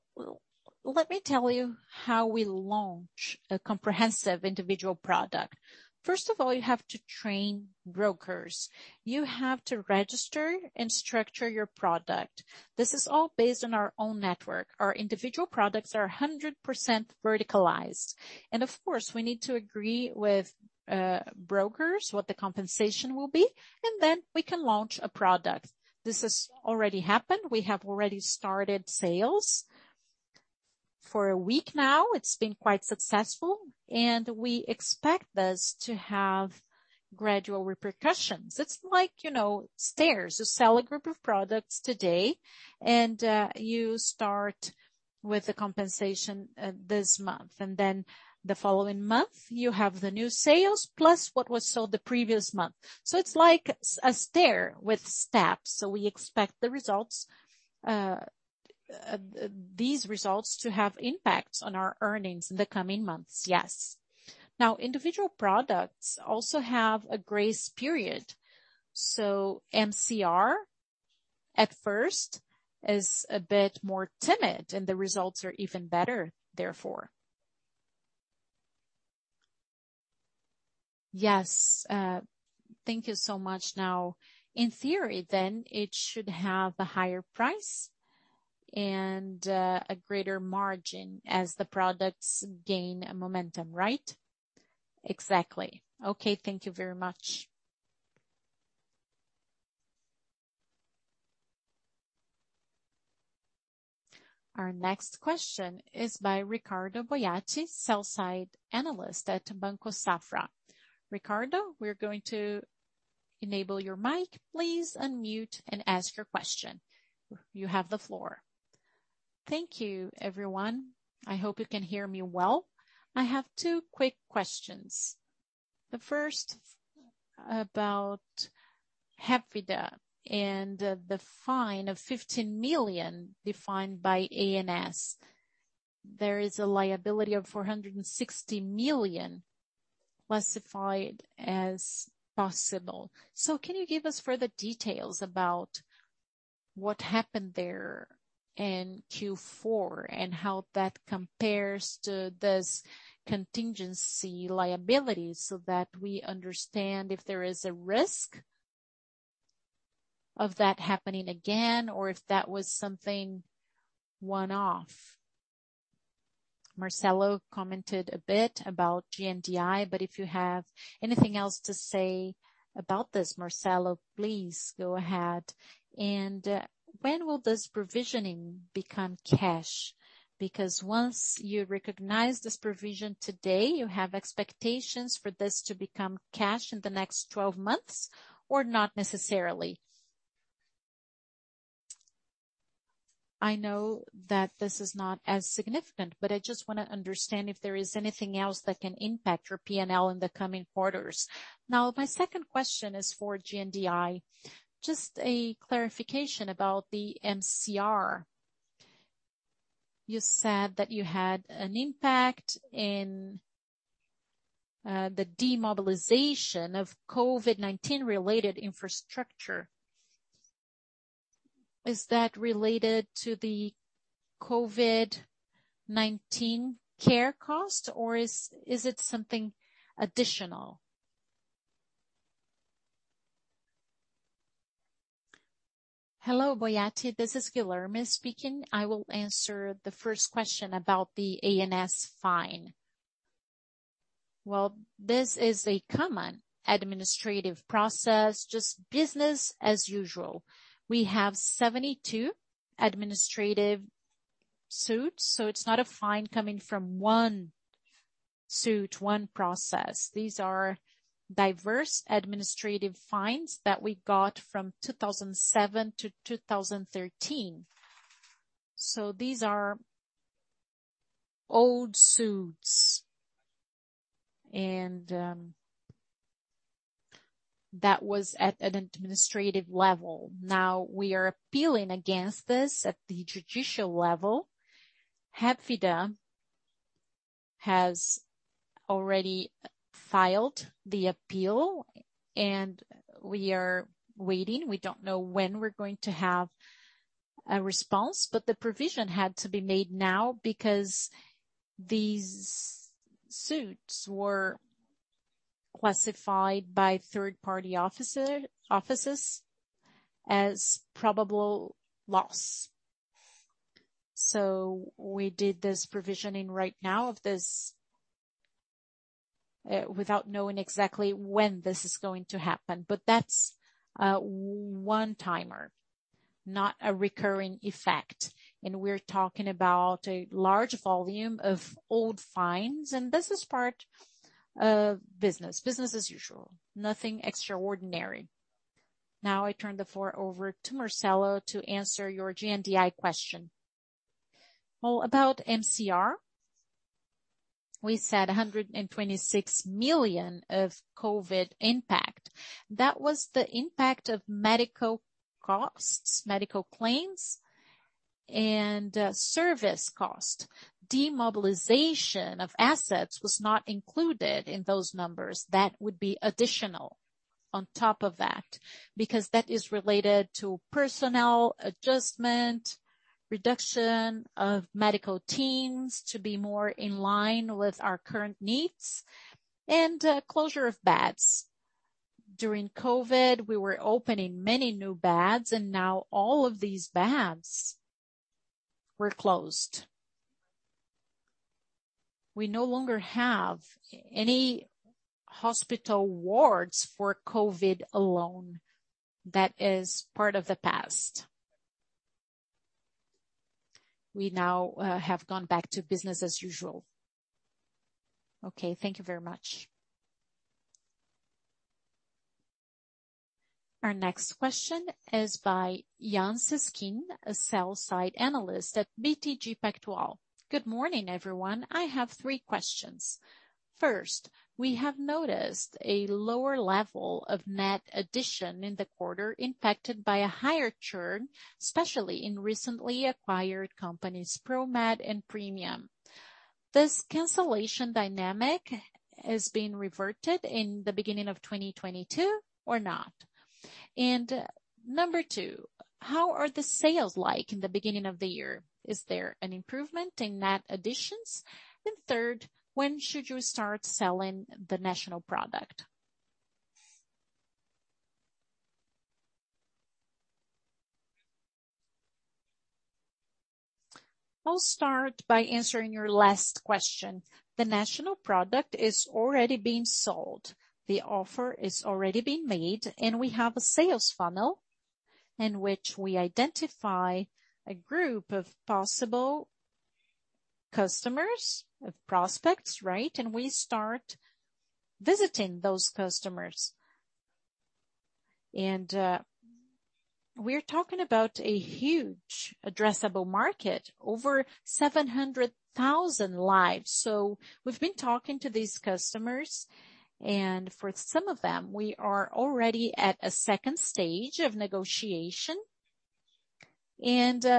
let me tell you how we launch a comprehensive individual product. First of all, you have to train brokers. You have to register and structure your product. This is all based on our own network. Our individual products are 100% verticalized. Of course, we need to agree with brokers what the compensation will be, and then we can launch a product. This has already happened. We have already started sales. For a week now, it's been quite successful, and we expect this to have gradual repercussions. It's like, you know, stairs. You sell a group of products today, and you start with the compensation this month. Then the following month, you have the new sales plus what was sold the previous month. It's like a stair with steps. We expect these results to have impacts on our earnings in the coming months, yes. Individual products also have a grace period. MCR at 1st is a bit more timid, and the results are even better, therefore. Yes. Thank you so much. In theory then, it should have a higher price and a greater margin as the products gain momentum, right? Exactly. Okay. Thank you very much. Our next question is by Ricardo Boiati, sell-side analyst at Banco Safra. Ricardo, we're going to enable your mic. Please unmute and ask your question. You have the floor. Thank you, everyone. I hope you can hear me well. I have two quick questions. The 1st about Hapvida and the fine of 15 million defined by ANS. There is a liability of 460 million classified as possible. Can you give us further details about what happened there in Q4, and how that compares to this contingency liability so that we understand if there is a risk of that happening again or if that was something one-off. Marcelo commented a bit about GNDI, but if you have anything else to say about this, Marcelo, please go ahead. When will this provisioning become cash? Because once you recognize this provision today, you have expectations for this to become cash in the next twelve months or not necessarily. I know that this is not as significant, but I just wanna understand if there is anything else that can impact your P&L in the coming quarters. Now, my 2nd question is for GNDI. Just a clarification about the MCR. You said that you had an impact in the demobilization of COVID-19 related infrastructure. Is that related to the COVID-19 care cost, or is it something additional? Hello, Boiati, this is Guilherme speaking. I will answer the 1st question about the ANS fine. Well, this is a common administrative process, just business as usual. We have 72 administrative suits, so it's not a fine coming from one suit, one process. These are diverse administrative fines that we got from 2007-2013. These are old suits, and that was at an administrative level. Now, we are appealing against this at the judicial level. Hapvida has already filed the appeal, and we are waiting. We don't know when we're going to have a response, but the provision had to be made now because these suits were classified by 3rd-party offices as probable loss. We did this provisioning right now of this without knowing exactly when this is going to happen. But that's a one-timer, not a recurring effect. We're talking about a large volume of old fines, and this is part of business as usual, nothing extraordinary. Now I turn the floor over to Marcelo to answer your GNDI question. Well, about MCR, we said 126 million of COVID impact. That was the impact of medical costs, medical claims, and service cost. Demobilization of assets was not included in those numbers. That would be additional on top of that, because that is related to personnel adjustment, reduction of medical teams to be more in line with our current needs, and closure of beds. During COVID, we were opening many new beds, and now all of these beds were closed. We no longer have any hospital wards for COVID alone. That is part of the past. We now have gone back to business as usual. Okay, thank you very much. Our next question is by Yan Cesquim, a sell-side analyst at BTG Pactual. Good morning, everyone. I have three questions. First, we have noticed a lower level of net addition in the quarter impacted by a higher churn, especially in recently acquired companies, Promed and Premium. This cancellation dynamic is being reverted in the beginning of 2022 or not? And number two, how are the sales like in the beginning of the year? Is there an improvement in net additions? And 3rd, when should you start selling the national product? I'll start by answering your last question. The national product is already being sold. The offer is already being made, and we have a sales funnel in which we identify a group of possible customers, of prospects, right? We start visiting those customers. We're talking about a huge addressable market, over 700,000 lives. We've been talking to these customers, and for some of them, we are already at a 2nd stage of negotiation.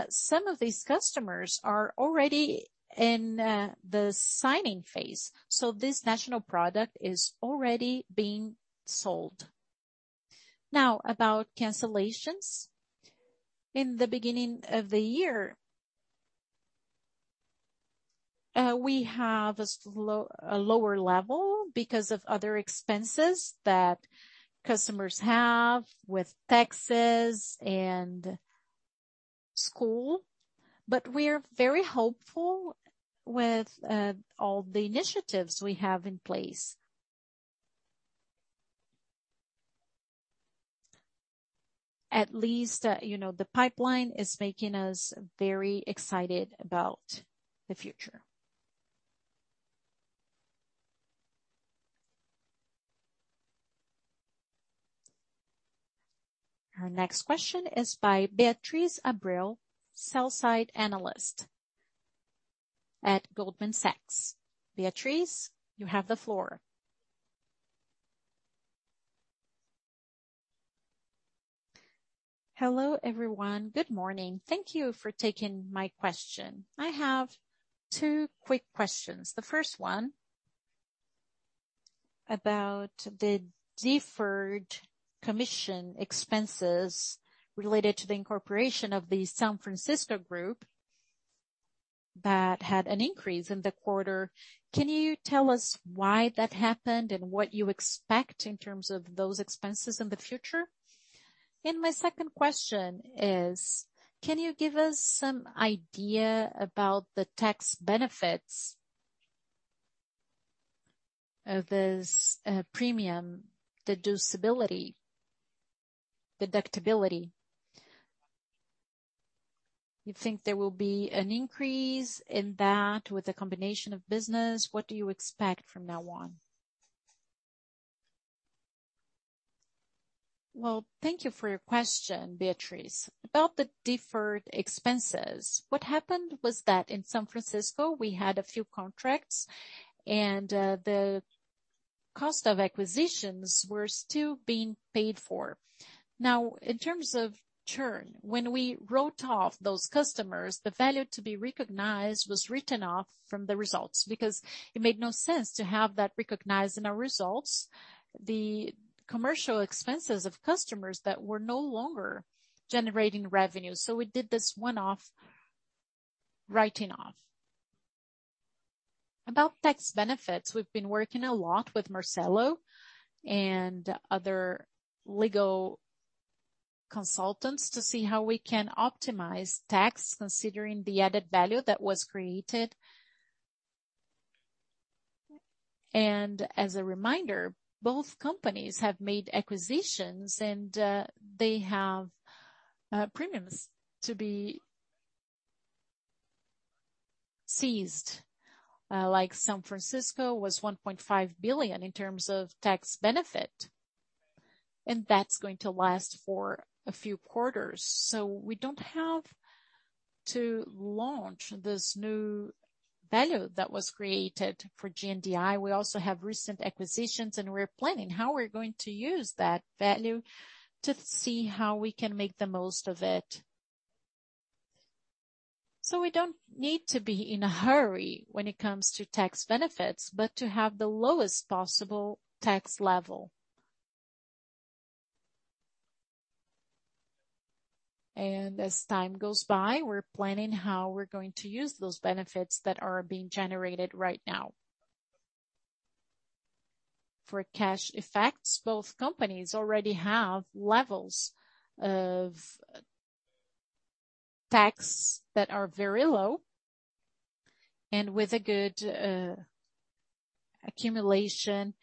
Some of these customers are already in the signing phase. This national product is already being sold. Now, about cancellations. In the beginning of the year, we have a lower level because of other expenses that customers have with taxes and school. We're very hopeful with all the initiatives we have in place. At least, you know, the pipeline is making us very excited about the future. Our next question is by Beatriz Abreu, sell-side analyst at Goldman Sachs. Beatriz, you have the floor. Hello, everyone. Good morning. Thank you for taking my question. I have two quick questions. The 1st one about the deferred commission expenses related to the incorporation of the São Francisco group that had an increase in the quarter. Can you tell us why that happened and what you expect in terms of those expenses in the future? My 2nd question is, can you give us some idea about the tax benefits of this, premium deductibility? You think there will be an increase in that with the combination of business? What do you expect from now on? Well, thank you for your question, Beatriz. About the deferred expenses, what happened was that in São Francisco, we had a few contracts, and the cost of acquisitions were still being paid for. Now, in terms of churn, when we wrote off those customers, the value to be recognized was written off from the results because it made no sense to have that recognized in our results, the commercial expenses of customers that were no longer generating revenue. So we did this one-off writing off. About tax benefits, we've been working a lot with Marcelo and other legal consultants to see how we can optimize tax considering the added value that was created. As a reminder, both companies have made acquisitions, and they have premiums to be seized. Like São Francisco was 1.5 billion in terms of tax benefit, and that's going to last for a few quarters. We don't have to launch this new value that was created for GNDI. We also have recent acquisitions, and we're planning how we're going to use that value to see how we can make the most of it. We don't need to be in a hurry when it comes to tax benefits, but to have the lowest possible tax level. As time goes by, we're planning how we're going to use those benefits that are being generated right now. For cash effects, both companies already have levels of tax that are very low and with a good accumulation of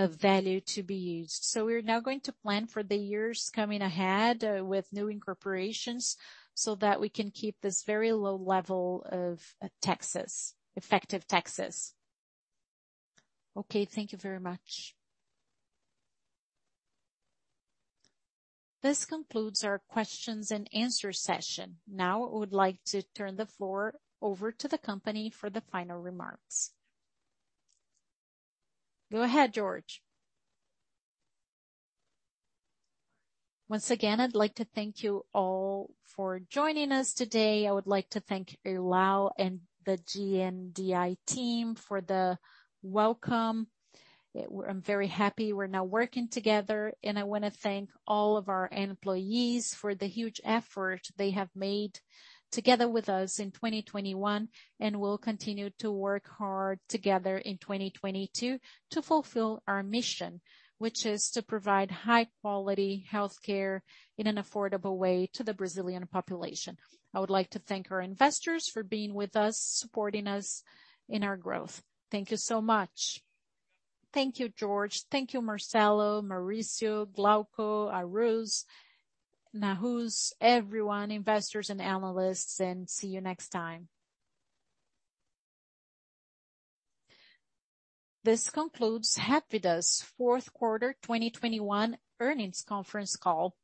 value to be used. We're now going to plan for the years coming ahead with new incorporations so that we can keep this very low level of taxes, effective taxes. Okay. Thank you very much. This concludes our Q&A session. Now, I would like to turn the floor over to the company for the final remarks. Go ahead, Jorge. Once again, I'd like to thank you all for joining us today. I would like to thank Irlau and the GNDI team for the welcome. I'm very happy we're now working together, and I wanna thank all of our employees for the huge effort they have made together with us in 2021. We'll continue to work hard together in 2022 to fulfill our mission, which is to provide high quality healthcare in an affordable way to the Brazilian population. I would like to thank our investors for being with us, supporting us in our growth. Thank you so much. Thank you, Jorge. Thank you, Marcelo, Mauricio, Glauco, Aruz, Nahuz, everyone, investors and analysts, and see you next time. This concludes Hapvida's 4th quarter 2021 earnings conference call.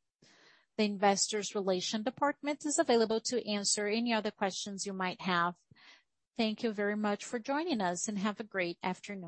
The Investor Relations department is available to answer any other questions you might have. Thank you very much for joining us, and have a great afternoon.